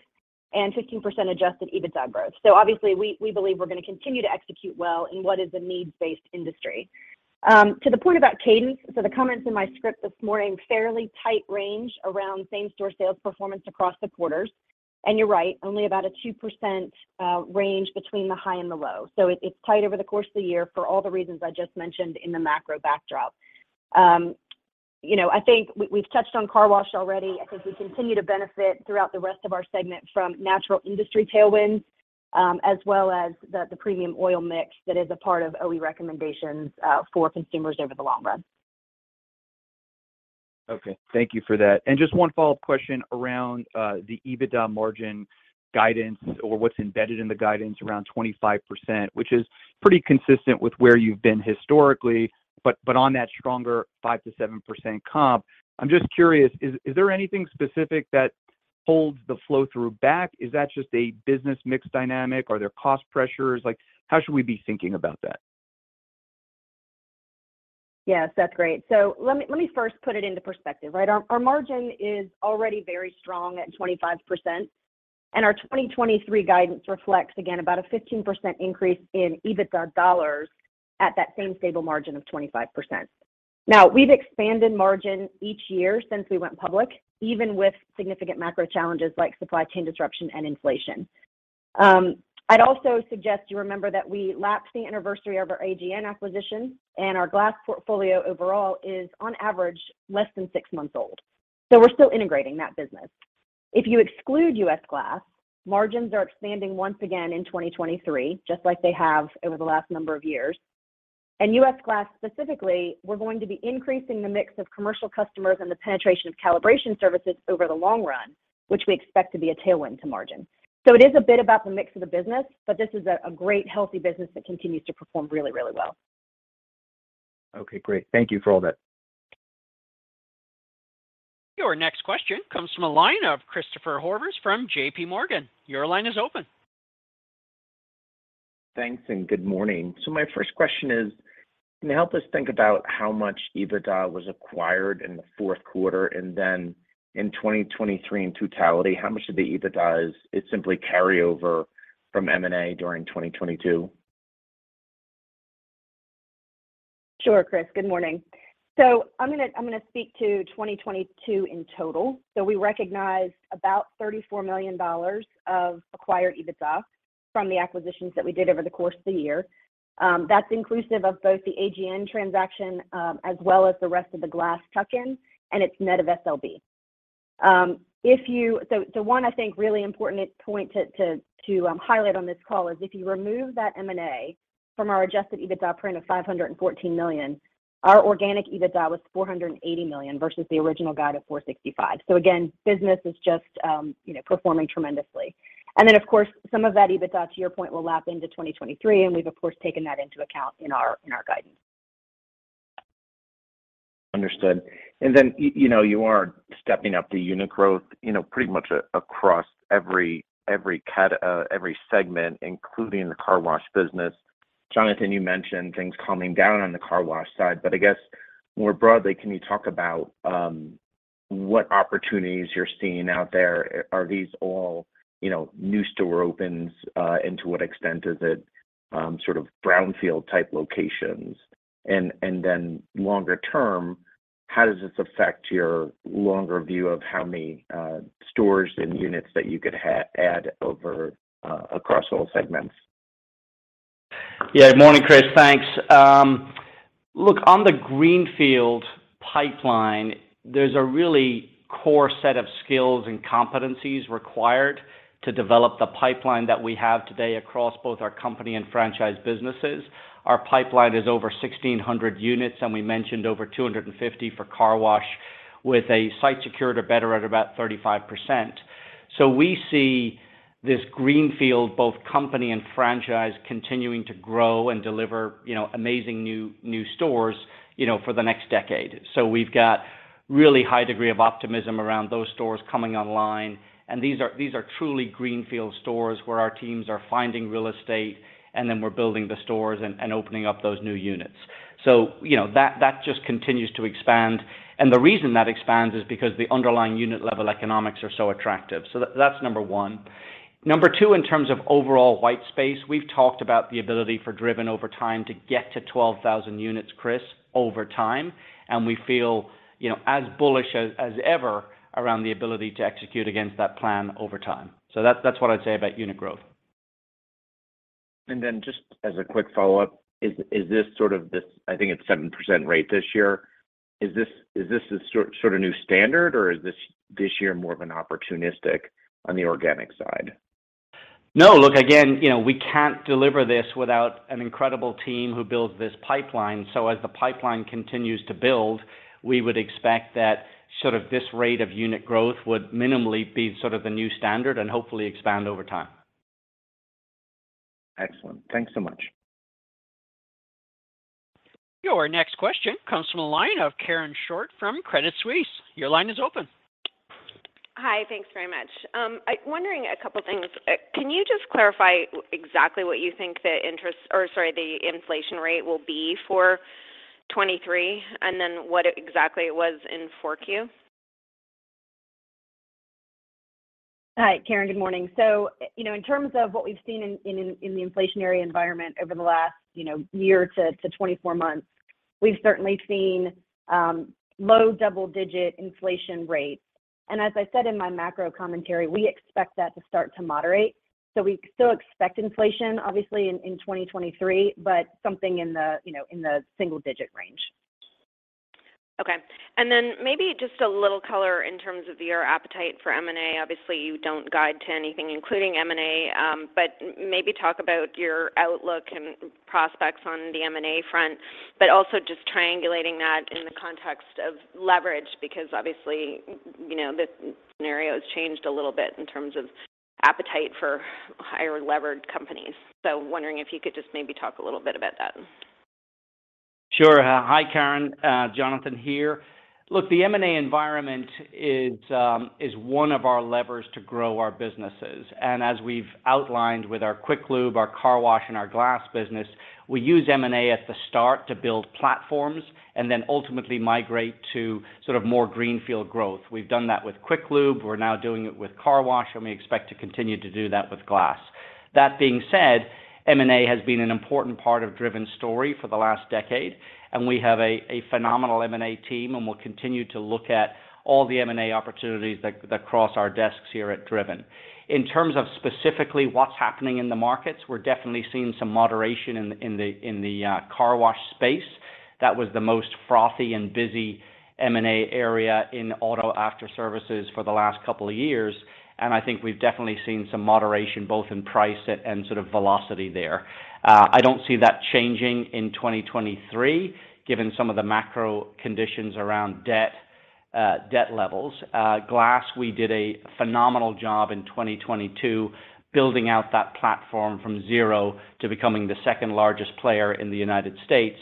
and 15% Adjusted EBITDA growth. Obviously we believe we're gonna continue to execute well in what is a needs-based industry. To the point about cadence, the comments in my script this morning, fairly tight range around same-store sales performance across the quarters. You're right, only about a 2% range between the high and the low. It's tight over the course of the year for all the reasons I just mentioned in the macro backdrop. You know, I think we've touched on car wash already. I think we continue to benefit throughout the rest of our segment from natural industry tailwinds, as well as the premium oil mix that is a part of OE recommendations for consumers over the long run. Okay. Thank you for that. Just one follow-up question around the EBITDA margin guidance or what's embedded in the guidance around 25%, which is pretty consistent with where you've been historically, but on that stronger 5%-7% comp. I'm just curious, is there anything specific that holds the flow-through back? Is that just a business mix dynamic? Are there cost pressures? Like, how should we be thinking about that? Yes, that's great. Let me first put it into perspective, right? Our margin is already very strong at 25%, and our 2023 guidance reflects, again, about a 15% increase in EBITDA dollars at that same stable margin of 25%. We've expanded margin each year since we went public, even with significant macro challenges like supply chain disruption and inflation. I'd also suggest you remember that we lapsed the anniversary of our AGN acquisition, and our glass portfolio overall is on average less than six months old. We're still integrating that business. If you exclude US Glass, margins are expanding once again in 2023, just like they have over the last number of years. US Glass specifically, we're going to be increasing the mix of commercial customers and the penetration of calibration services over the long run, which we expect to be a tailwind to margin. It is a bit about the mix of the business, but this is a great, healthy business that continues to perform really, really well. Okay, great. Thank you for all that. Your next question comes from a line of Christopher Horvers from JP Morgan. Your line is open. Thanks, good morning. My first question is, can you help us think about how much EBITDA was acquired in the fourth quarter? Then in 2023 in totality, how much of the EBITDA is simply carryover from M&A during 2022? Sure, Chris. Good morning. I'm gonna speak to 2022 in total. We recognized about $34 million of acquired EBITDA from the acquisitions that we did over the course of the year. That's inclusive of both the AGN transaction, as well as the rest of the Glass tuck-in, and it's net of SLB. One, I think, really important point to highlight on this call is if you remove that M&A from our Adjusted EBITDA print of $514 million, our organic EBITDA was $480 million versus the original guide of $465. Again, business is just, you know, performing tremendously. Then, of course, some of that EBITDA, to your point, will lap into 2023, and we've of course taken that into account in our guidance. Understood. Then, you know, you are stepping up the unit growth, you know, pretty much across every segment, including the car wash business. Jonathan, you mentioned things calming down on the car wash side, but I guess more broadly, can you talk about what opportunities you're seeing out there? Are these all, you know, new store opens? And to what extent is it sort of brownfield-type locations? Then longer term, how does this affect your longer view of how many stores and units that you could add over across all segments? Morning, Chris O'Cull. Thanks. Look, on the greenfield pipeline, there's a really core set of skills and competencies required to develop the pipeline that we have today across both our company and franchise businesses. Our pipeline is over 1,600 units, and we mentioned over 250 for car wash, with a site secured or better at about 35%. We see this greenfield, both company and franchise, continuing to grow and deliver, you know, amazing new stores, you know, for the next decade. We've got really high degree of optimism around those stores coming online, and these are truly greenfield stores where our teams are finding real estate, and then we're building the stores and opening up those new units. You know, that just continues to expand. The reason that expands is because the underlying unit-level economics are so attractive. That's number one. Number two, in terms of overall white space, we've talked about the ability for Driven over time to get to 12,000 units, Chris, over time, and we feel, you know, as bullish as ever around the ability to execute against that plan over time. That's what I'd say about unit growth. Just as a quick follow-up, I think it's 7% rate this year. Is this the sort of new standard, or is this year more of an opportunistic on the organic side? No. Look, again, you know, we can't deliver this without an incredible team who builds this pipeline. As the pipeline continues to build, we would expect that sort of this rate of unit growth would minimally be sort of the new standard and hopefully expand over time. Excellent. Thanks so much. Your next question comes from the line of Karen Short from Credit Suisse. Your line is open. Hi. Thanks very much. I'm wondering a couple things. Can you just clarify exactly what you think the inflation rate will be for 2023, and then what exactly it was in 4Q? Hi, Karen. Good morning. You know, in terms of what we've seen in the inflationary environment over the last, you know, year to 24 months, we've certainly seen low double-digit inflation rates. As I said in my macro commentary, we expect that to start to moderate. We still expect inflation obviously in 2023, but something in the, you know, in the single-digit range. Okay. Maybe just a little color in terms of your appetite for M&A. Obviously, you don't guide to anything including M&A, but maybe talk about your outlook and prospects on the M&A front, but also just triangulating that in the context of leverage, because obviously, you know, the scenario's changed a little bit in terms of appetite for higher-levered companies. Wondering if you could just maybe talk a little bit about that. Sure. Hi, Karen. Jonathan here. Look, the M&A environment is one of our levers to grow our businesses. As we've outlined with our Quick Lube, our car wash, and our glass business, we use M&A at the start to build platforms and then ultimately migrate to sort of more greenfield growth. We've done that with Quick Lube, we're now doing it with car wash, and we expect to continue to do that with glass. That being said, M&A has been an important part of Driven's story for the last decade, and we have a phenomenal M&A team, and we'll continue to look at all the M&A opportunities that cross our desks here at Driven. In terms of specifically what's happening in the markets, we're definitely seeing some moderation in the car wash space. That was the most frothy and busy M&A area in auto afterservices for the last couple of years, and I think we've definitely seen some moderation both in price and sort of velocity there. I don't see that changing in 2023 given some of the macro conditions around debt levels. Glass, we did a phenomenal job in 2022 building out that platform from zero to becoming the second-largest player in the United States.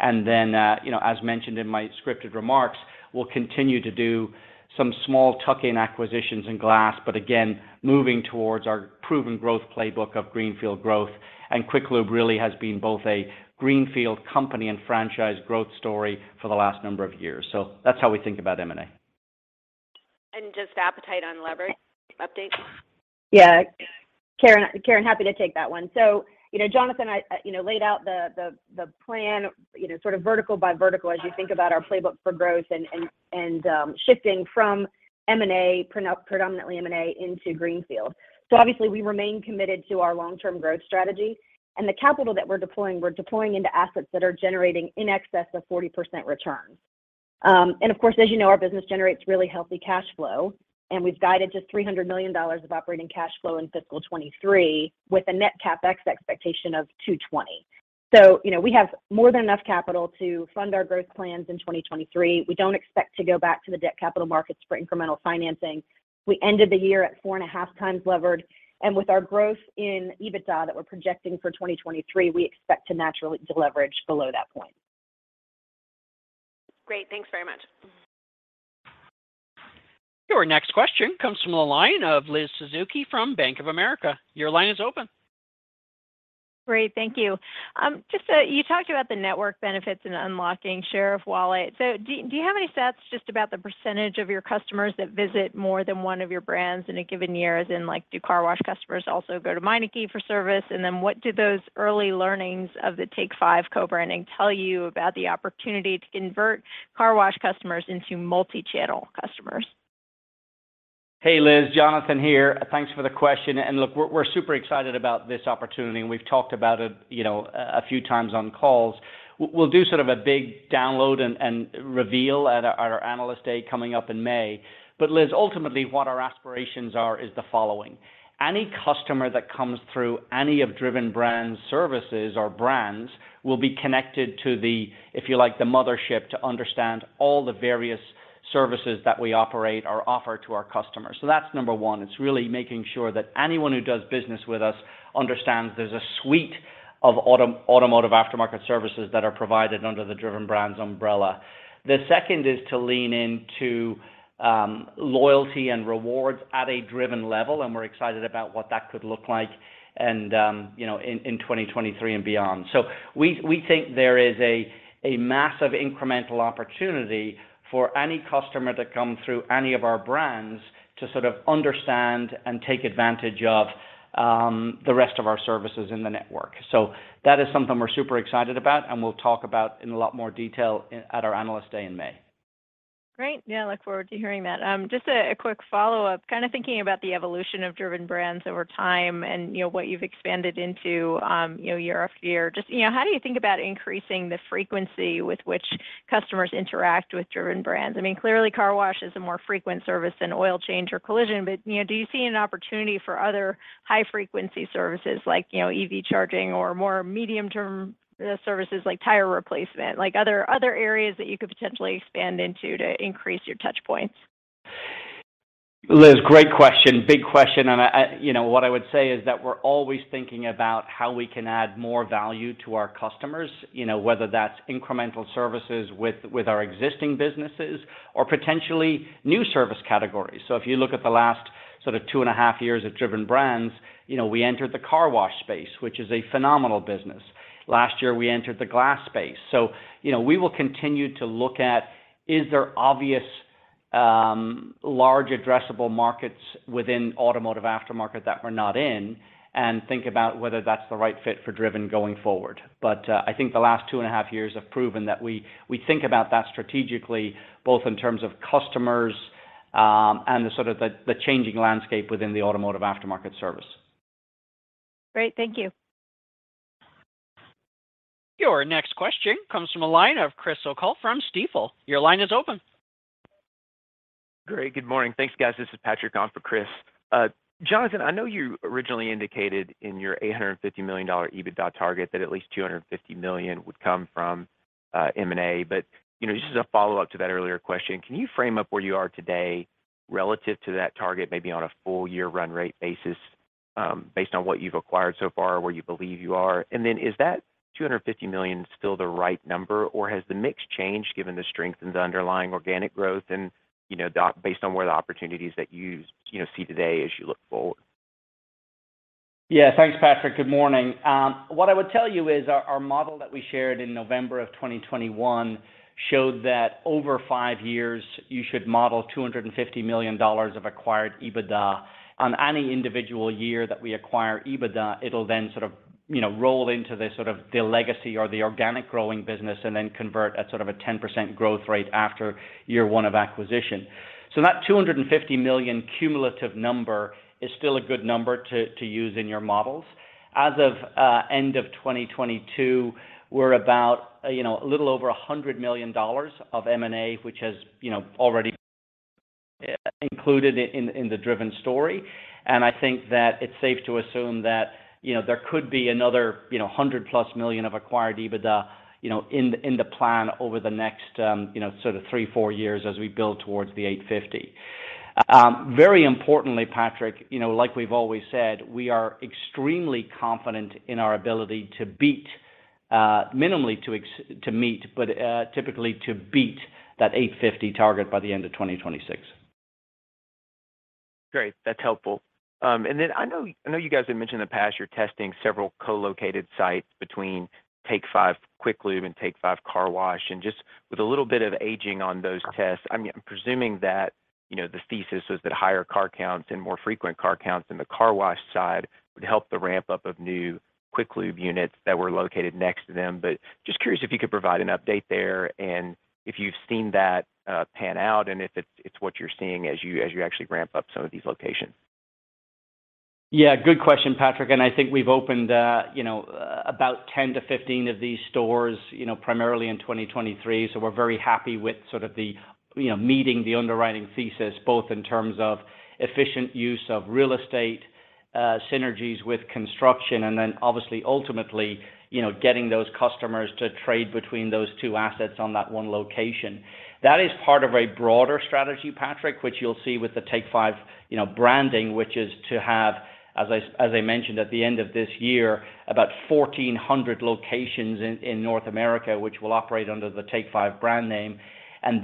Then, you know, as mentioned in my scripted remarks, we'll continue to do some small tuck-in acquisitions in glass, but again, moving towards our proven growth playbook of greenfield growth. Quick Lube really has been both a greenfield company and franchise growth story for the last number of years. That's how we think about M&A. Just appetite on leverage update? Yeah. Karen, happy to take that one. You know, Jonathan, I, you know, laid out the, the plan, you know, sort of vertical by vertical as you think about our playbook for growth and, and, shifting from M&A, predominantly M&A into greenfield. Obviously we remain committed to our long-term growth strategy. The capital that we're deploying, we're deploying into assets that are generating in excess of 40% returns. Of course, as you know, our business generates really healthy cash flow, and we've guided to $300 million of operating cash flow in fiscal 2023 with a net CapEx expectation of $220 million. You know, we have more than enough capital to fund our growth plans in 2023. We don't expect to go back to the debt capital markets for incremental financing. We ended the year at 4.5 times levered, and with our growth in EBITDA that we're projecting for 2023, we expect to naturally deleverage below that point. Great. Thanks very much. Your next question comes from the line of Liz Suzuki from Bank of America. Your line is open. Great. Thank you. Just, you talked about the network benefits and unlocking share of wallet. Do you have any stats just about the percentage of your customers that visit more than one of your brands in a given year? As in, like, do car wash customers also go to Meineke for service? What do those early learnings of the Take 5 co-branding tell you about the opportunity to convert car wash customers into multi-channel customers? Hey, Liz. Jonathan here. Thanks for the question. Look, we're super excited about this opportunity, and we've talked about it, you know, a few times on calls. We'll do sort of a big download and reveal at our analyst day coming up in May. Liz, ultimately what our aspirations are is the following. Any customer that comes through any of Driven Brands services or brands will be connected to the, if you like, the mothership to understand all the various services that we operate or offer to our customers. That's number one. It's really making sure that anyone who does business with us understands there's a suite of automotive aftermarket services that are provided under the Driven Brands umbrella. The second is to lean into loyalty and rewards at a Driven level. We're excited about what that could look like and, you know, in 2023 and beyond. We think there is a massive incremental opportunity for any customer to come through any of our brands to sort of understand and take advantage of the rest of our services in the network. That is something we're super excited about, and we'll talk about in a lot more detail at our Analyst Day in May. Great. Yeah, look forward to hearing that. Just a quick follow-up, kind of thinking about the evolution of Driven Brands over time and, you know, what you've expanded into, you know, year after year. Just, you know, how do you think about increasing the frequency with which customers interact with Driven Brands? I mean, clearly car wash is a more frequent service than oil change or collision. You know, do you see an opportunity for other high-frequency services like, you know, EV charging or more medium-term services like tire replacement? Like other areas that you could potentially expand into to increase your touch points? Liz, great question. Big question. I, you know, what I would say is that we're always thinking about how we can add more value to our customers, you know, whether that's incremental services with our existing businesses or potentially new service categories. If you look at the last sort of two and a half years of Driven Brands, you know, we entered the car wash space, which is a phenomenal business. Last year, we entered the glass space. You know, we will continue to look at is there obvious large addressable markets within automotive aftermarket that we're not in and think about whether that's the right fit for Driven going forward. I think the last two and a half years have proven that we think about that strategically, both in terms of customers, and the sort of the changing landscape within the automotive aftermarket service. Great. Thank you. Your next question comes from a line of Chris O'Cull from Stifel. Your line is open. Great. Good morning. Thanks, guys. This is Patrick on for Chris. Jonathan, I know you originally indicated in your $850 million EBITDA target that at least $250 million would come from M&A. You know, just as a follow-up to that earlier question, can you frame up where you are today relative to that target, maybe on a full year run rate basis, based on what you've acquired so far, where you believe you are? Is that $250 million still the right number, or has the mix changed given the strength in the underlying organic growth and, you know, based on where the opportunities that you know, see today as you look forward? Yeah. Thanks, Patrick. Good morning. What I would tell you is our model that we shared in November of 2021 showed that over 5 years, you should model $250 million of acquired EBITDA. On any individual year that we acquire EBITDA, it'll then sort of, you know, roll into the sort of the legacy or the organic growing business and then convert at sort of a 10% growth rate after year one of acquisition. That $250 million cumulative number is still a good number to use in your models. As of end of 2022, we're about, you know, a little over $100 million of M&A, which has, you know, already included in the Driven story. I think that it's safe to assume that, you know, there could be another, you know, $100+ million of acquired EBITDA, you know, in the, in the plan over the next, you know, sort of three, four years as we build towards the $850. Very importantly, Patrick, you know, like we've always said, we are extremely confident in our ability to beat, minimally to meet, but typically to beat that $850 target by the end of 2026. Great. That's helpful. Then I know, I know you guys have mentioned in the past you're testing several co-located sites between Take 5 Quick Lube and Take 5 Car Wash. Just with a little bit of aging on those tests, I'm presuming that, you know, the thesis was that higher car counts and more frequent car counts in the Car Wash side would help the ramp up of new Quick Lube units that were located next to them. Just curious if you could provide an update there and if you've seen that pan out and if it's what you're seeing as you actually ramp up some of these locations? Yeah, good question, Patrick. I think we've opened, you know, about 10-15 of these stores, you know, primarily in 2023. We're very happy with sort of the, you know, meeting the underwriting thesis, both in terms of efficient use of real estate, synergies with construction, obviously ultimately, you know, getting those customers to trade between those two assets on that one location. That is part of a broader strategy, Patrick, which you'll see with the Take 5, you know, branding, which is to have, as I mentioned, at the end of this year, about 1,400 locations in North America, which will operate under the Take 5 brand name.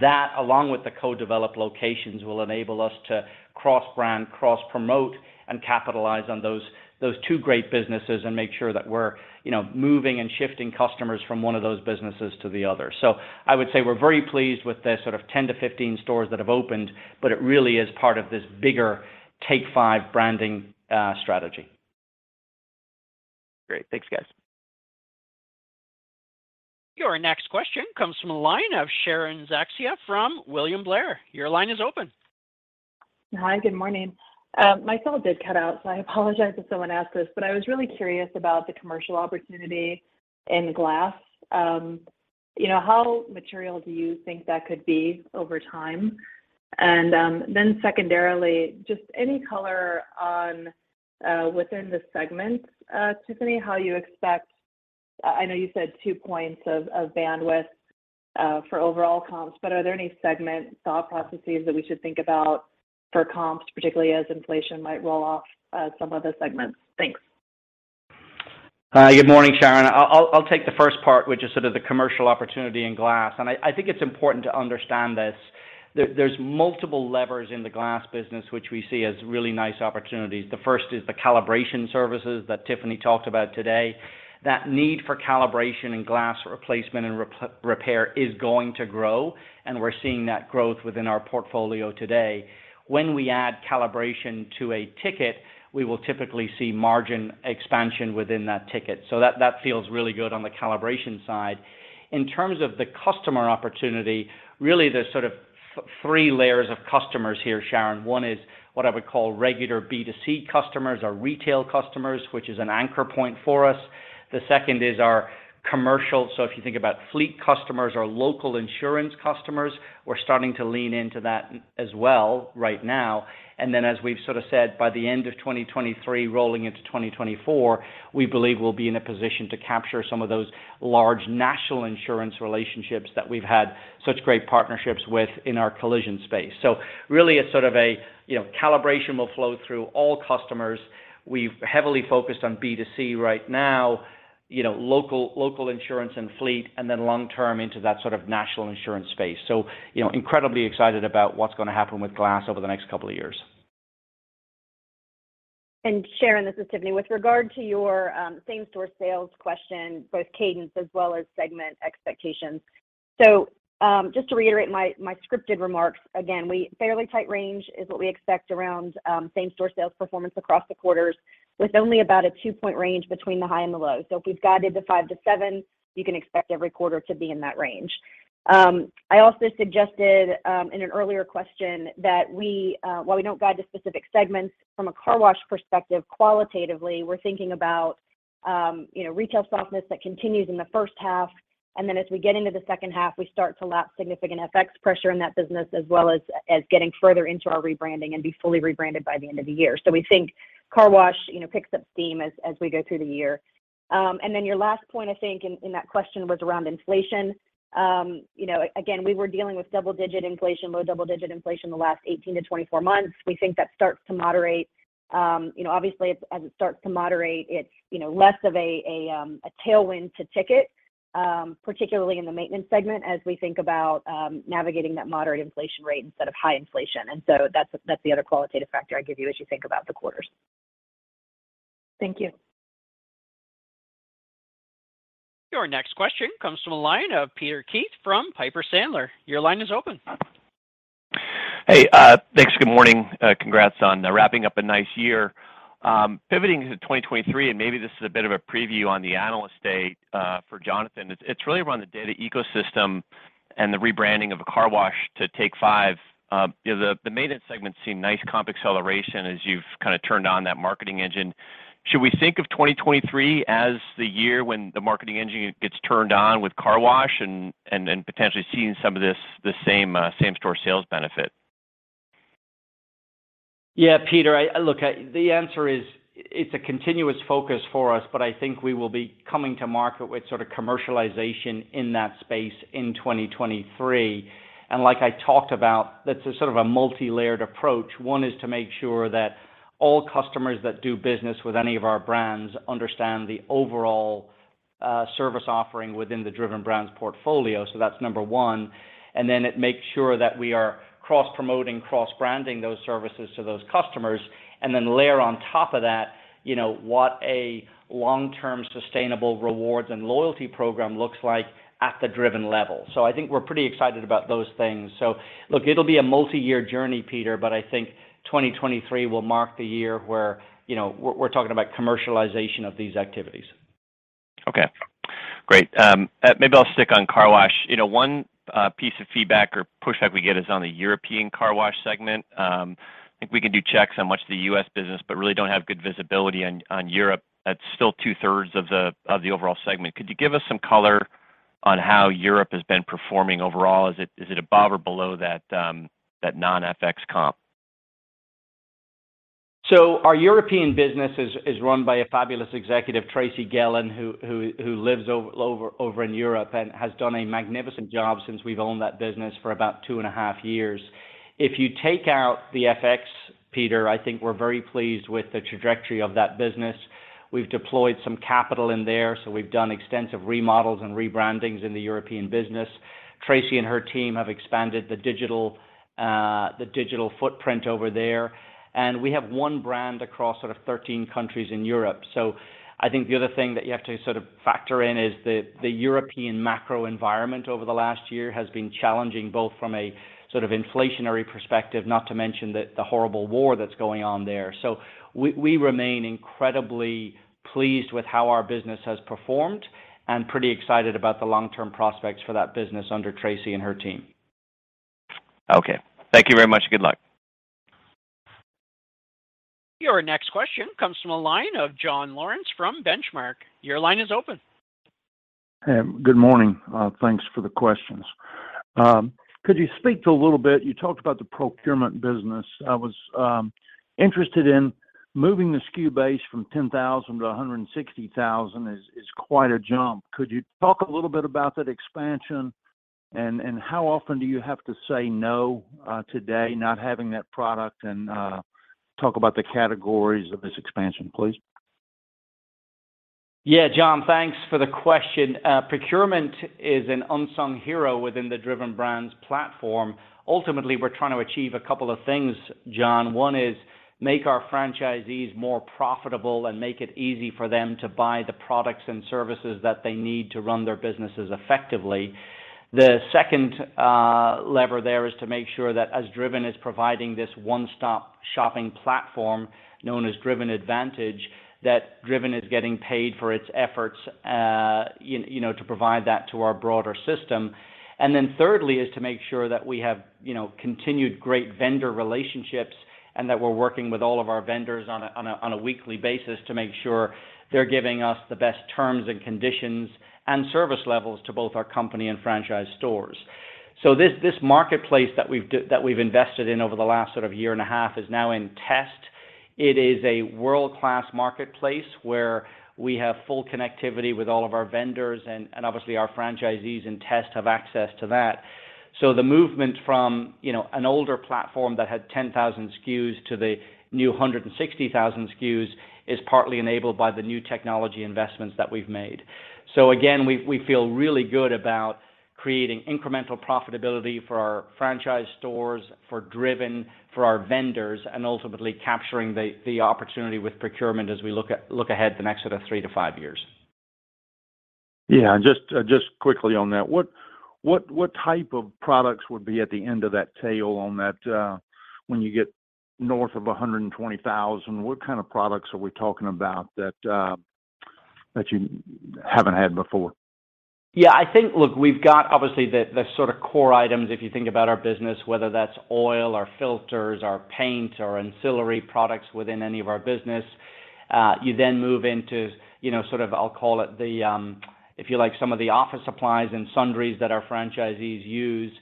That, along with the co-developed locations, will enable us to cross-brand, cross-promote, and capitalize on those two great businesses and make sure that we're, you know, moving and shifting customers from one of those businesses to the other. I would say we're very pleased with the sort of 10-15 stores that have opened, but it really is part of this bigger Take 5 branding strategy. Great. Thanks, guys. Your next question comes from the line of Sharon Zackfia from William Blair. Your line is open. Hi. Good morning. My phone did cut out, so I apologize if someone asked this, but I was really curious about the commercial opportunity in glass. You know, how material do you think that could be over time? Then secondarily, just any color on within the segments, Tiffany, how you expect... I know you said 2 points of bandwidth, for overall comps, but are there any segment thought processes that we should think about for comps, particularly as inflation might roll off, some of the segments? Thanks. Good morning, Sharon. I'll take the first part, which is sort of the commercial opportunity in glass. I think it's important to understand this. There's multiple levers in the glass business, which we see as really nice opportunities. The first is the calibration services that Tiffany talked about today. That need for calibration and glass replacement and repair is going to grow, and we're seeing that growth within our portfolio today. When we add calibration to a ticket, we will typically see margin expansion within that ticket. That feels really good on the calibration side. In terms of the customer opportunity, really there's three layers of customers here, Sharon. One is what I would call regular B2C customers or retail customers, which is an anchor point for us. The second is our commercial. If you think about fleet customers or local insurance customers, we're starting to lean into that as well right now. As we've sort of said, by the end of 2023 rolling into 2024, we believe we'll be in a position to capture some of those large national insurance relationships that we've had such great partnerships with in our collision space. Really a sort of a, you know, calibration will flow through all customers. We've heavily focused on B2C right now, you know, local insurance and fleet, and then long term into that sort of national insurance space. You know, incredibly excited about what's gonna happen with glass over the next couple of years. Sharon, this is Tiffany. With regard to your same-store sales question, both cadence as well as segment expectations. Just to reiterate my scripted remarks, again, fairly tight range is what we expect around same-store sales performance across the quarters with only about a 2-point range between the high and the low. If we've guided to 5%-7%, you can expect every quarter to be in that range. I also suggested, in an earlier question that we, while we don't guide to specific segments from a car wash perspective, qualitatively, we're thinking about, you know, retail softness that continues in the first half, and then as we get into the second half, we start to lap significant FX pressure in that business, as well as getting further into our rebranding and be fully rebranded by the end of the year. We think car wash, you know, picks up steam as we go through the year. Then your last point, I think, in that question was around inflation. You know, again, we were dealing with double-digit inflation, low double-digit inflation the last 18-24 months. We think that starts to moderate. you know, obviously, as it starts to moderate, it's, you know, less of a tailwind to ticket, particularly in the maintenance segment as we think about, navigating that moderate inflation rate instead of high inflation. That's the other qualitative factor I give you as you think about the quarters. Thank you. Your next question comes from the line of Peter Keith from Piper Sandler. Your line is open. Hey. Thanks. Good morning. Congrats on wrapping up a nice year. Pivoting to 2023, maybe this is a bit of a preview on the Analyst Day for Jonathan. It's, it's really around the data ecosystem and the rebranding of a car wash to Take 5. You know, the maintenance segment seem nice comp acceleration as you've kind of turned on that marketing engine. Should we think of 2023 as the year when the marketing engine gets turned on with car wash and then potentially seeing some of this, the same same-store sales benefit? Peter, The answer is it's a continuous focus for us, but I think we will be coming to market with sort of commercialization in that space in 2023. Like I talked about, that's a sort of a multi-layered approach. One is to make sure that all customers that do business with any of our brands understand the overall service offering within the Driven Brands portfolio, so that's number 1. Then it makes sure that we are cross-promoting, cross-branding those services to those customers, and then layer on top of that, you know, what a long-term sustainable rewards and loyalty program looks like at the Driven level. I think we're pretty excited about those things. Look, it'll be a multi-year journey, Peter, but I think 2023 will mark the year where, you know, we're talking about commercialization of these activities. Okay. Great. Maybe I'll stick on car wash. You know, one piece of feedback or pushback we get is on the European car wash segment. I think we can do checks on much of the U.S. business, but really don't have good visibility on Europe. That's still two-thirds of the, of the overall segment. Could you give us some color on how Europe has been performing overall? Is it, is it above or below that non-FX comp? Our European business is run by a fabulous executive, Tracy Gehlan, who lives over in Europe and has done a magnificent job since we've owned that business for about two and a half years. If you take out the FX, Peter, I think we're very pleased with the trajectory of that business. We've deployed some capital in there, so we've done extensive remodels and rebrandings in the European business. Tracy and her team have expanded the digital footprint over there. We have one brand across sort of 13 countries in Europe. I think the other thing that you have to sort of factor in is the European macro environment over the last year has been challenging, both from a sort of inflationary perspective, not to mention the horrible war that's going on there. We remain incredibly pleased with how our business has performed and pretty excited about the long-term prospects for that business under Tracy and her team. Okay. Thank you very much. Good luck. Your next question comes from the line of John Lawrence from Benchmark. Your line is open. Hey, good morning. Thanks for the questions. Could you speak to a little bit... You talked about the procurement business. I was interested in moving the SKU base from 10,000 to 160,000 is quite a jump. Could you talk a little bit about that expansion and how often do you have to say no, today, not having that product, and talk about the categories of this expansion, please? Yeah, John, thanks for the question. Procurement is an unsung hero within the Driven Brands platform. Ultimately, we're trying to achieve a couple of things, John. One is make our franchisees more profitable and make it easy for them to buy the products and services that they need to run their businesses effectively. The second lever there is to make sure that as Driven is providing this one-stop shopping platform known as Driven Advantage, that Driven is getting paid for its efforts, you know, to provide that to our broader system. Thirdly is to make sure that we have, you know, continued great vendor relationships and that we're working with all of our vendors on a weekly basis to make sure they're giving us the best terms and conditions and service levels to both our company and franchise stores. This marketplace that we've invested in over the last sort of year and a half is now in test. It is a world-class marketplace where we have full connectivity with all of our vendors, and obviously, our franchisees and tests have access to that. The movement from, you know, an older platform that had 10,000 SKUs to the new 160,000 SKUs is partly enabled by the new technology investments that we've made. Again, we feel really good about creating incremental profitability for our franchise stores, for Driven, for our vendors, and ultimately capturing the opportunity with procurement as we look ahead the next sort of three to five years. Yeah. Just, just quickly on that, what type of products would be at the end of that tail on that, when you get north of 120,000? What kind of products are we talking about that you haven't had before? Yeah, I think. Look, we've got obviously the sort of core items, if you think about our business, whether that's oil or filters or paint or ancillary products within any of our business. You then move into, you know, sort of, I'll call it the, if you like, some of the office supplies and sundries that our franchisees use.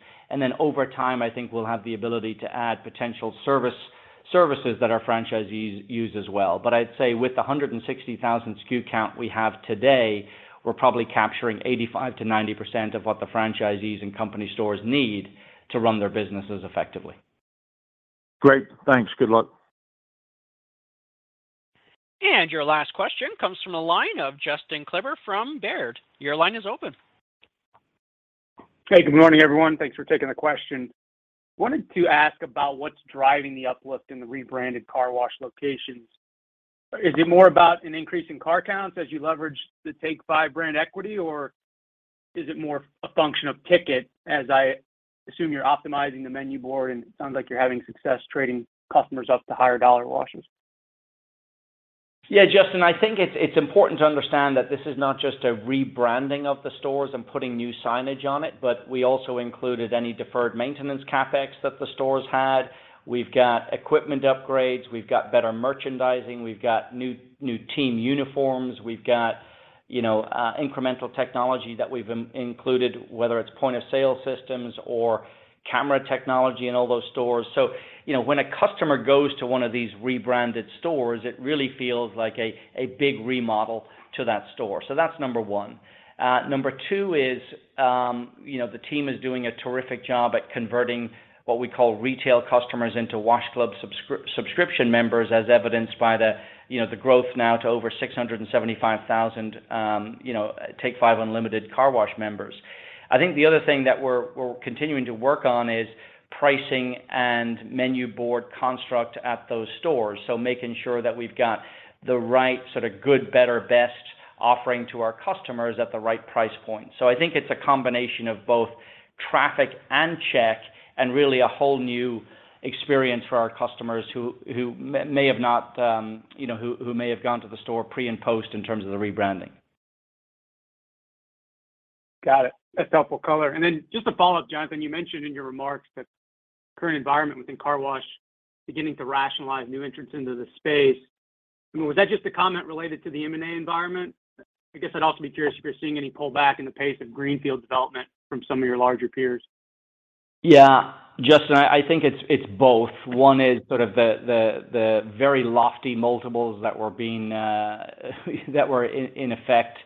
Over time, I think we'll have the ability to add potential services that our franchisees use as well. I'd say with the 160,000 SKU count we have today, we're probably capturing 85%-90% of what the franchisees and company stores need to run their businesses effectively. Great. Thanks. Good luck. Your last question comes from the line of Justin Kleber from Baird. Your line is open. Hey, good morning, everyone. Thanks for taking the question. Wanted to ask about what's driving the uplift in the rebranded car wash locations. Is it more about an increase in car counts as you leverage the Take 5 brand equity, or is it more a function of ticket, as I assume you're optimizing the menu board, and it sounds like you're having success trading customers up to higher dollar washes? Yeah, Justin, I think it's important to understand that this is not just a rebranding of the stores and putting new signage on it, but we also included any deferred maintenance CapEx that the stores had. We've got equipment upgrades, we've got better merchandising, we've got new team uniforms. We've got, you know, incremental technology that we've included, whether it's point-of-sale systems or camera technology in all those stores. You know, when a customer goes to one of these rebranded stores, it really feels like a big remodel to that store. That's number one. Number two is, you know, the team is doing a terrific job at converting what we call retail customers into wash club subscription members, as evidenced by the, you know, the growth now to over 675,000, you know, Take 5 Unlimited Car Wash members. I think the other thing that we're continuing to work on is pricing and menu board construct at those stores, so making sure that we've got the right sort of good, better, best offering to our customers at the right price point. I think it's a combination of both traffic and check and really a whole new experience for our customers who may have not, you know, who may have gone to the store pre- and post in terms of the rebranding. Got it. That's helpful color. Then just to follow up, Jonathan, you mentioned in your remarks that current environment within car wash beginning to rationalize new entrants into the space. I mean, was that just a comment related to the M&A environment? I guess I'd also be curious if you're seeing any pullback in the pace of greenfield development from some of your larger peers. Yeah. Justin, I think it's both. One is sort of the very lofty multiples that were being that were in effect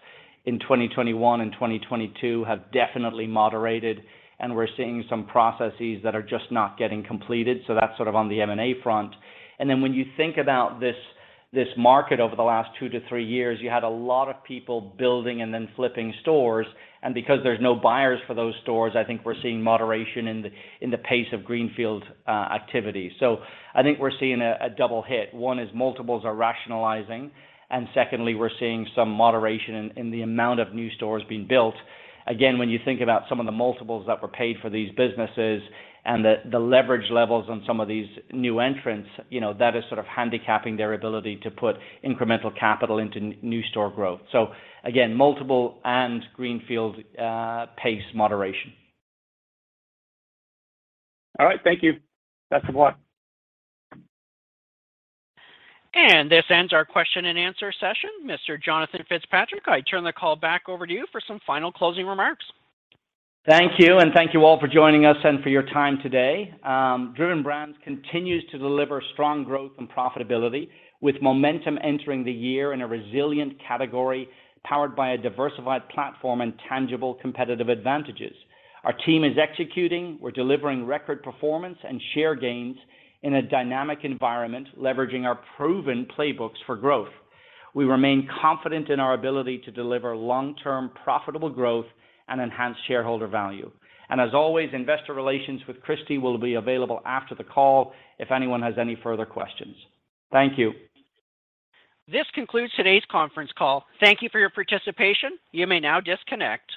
in 2021 and 2022 have definitely moderated, and we're seeing some processes that are just not getting completed, so that's sort of on the M&A front. When you think about this market over the last two to three years, you had a lot of people building and then flipping stores, and because there's no buyers for those stores, I think we're seeing moderation in the pace of greenfield activity. I think we're seeing a double hit. One is multiples are rationalizing, and secondly, we're seeing some moderation in the amount of new stores being built. When you think about some of the multiples that were paid for these businesses and the leverage levels on some of these new entrants, you know, that is sort of handicapping their ability to put incremental capital into new store growth. Again, multiple and greenfield pace moderation. All right. Thank you. That's a one. This ends our question and answer session. Mr. Jonathan Fitzpatrick, I turn the call back over to you for some final closing remarks. Thank you. Thank you all for joining us and for your time today. Driven Brands continues to deliver strong growth and profitability with momentum entering the year in a resilient category powered by a diversified platform and tangible competitive advantages. Our team is executing. We're delivering record performance and share gains in a dynamic environment, leveraging our proven playbooks for growth. We remain confident in our ability to deliver long-term profitable growth and enhance shareholder value. As always, investor relations with Kristie will be available after the call if anyone has any further questions. Thank you. This concludes today's conference call. Thank you for your participation. You may now disconnect.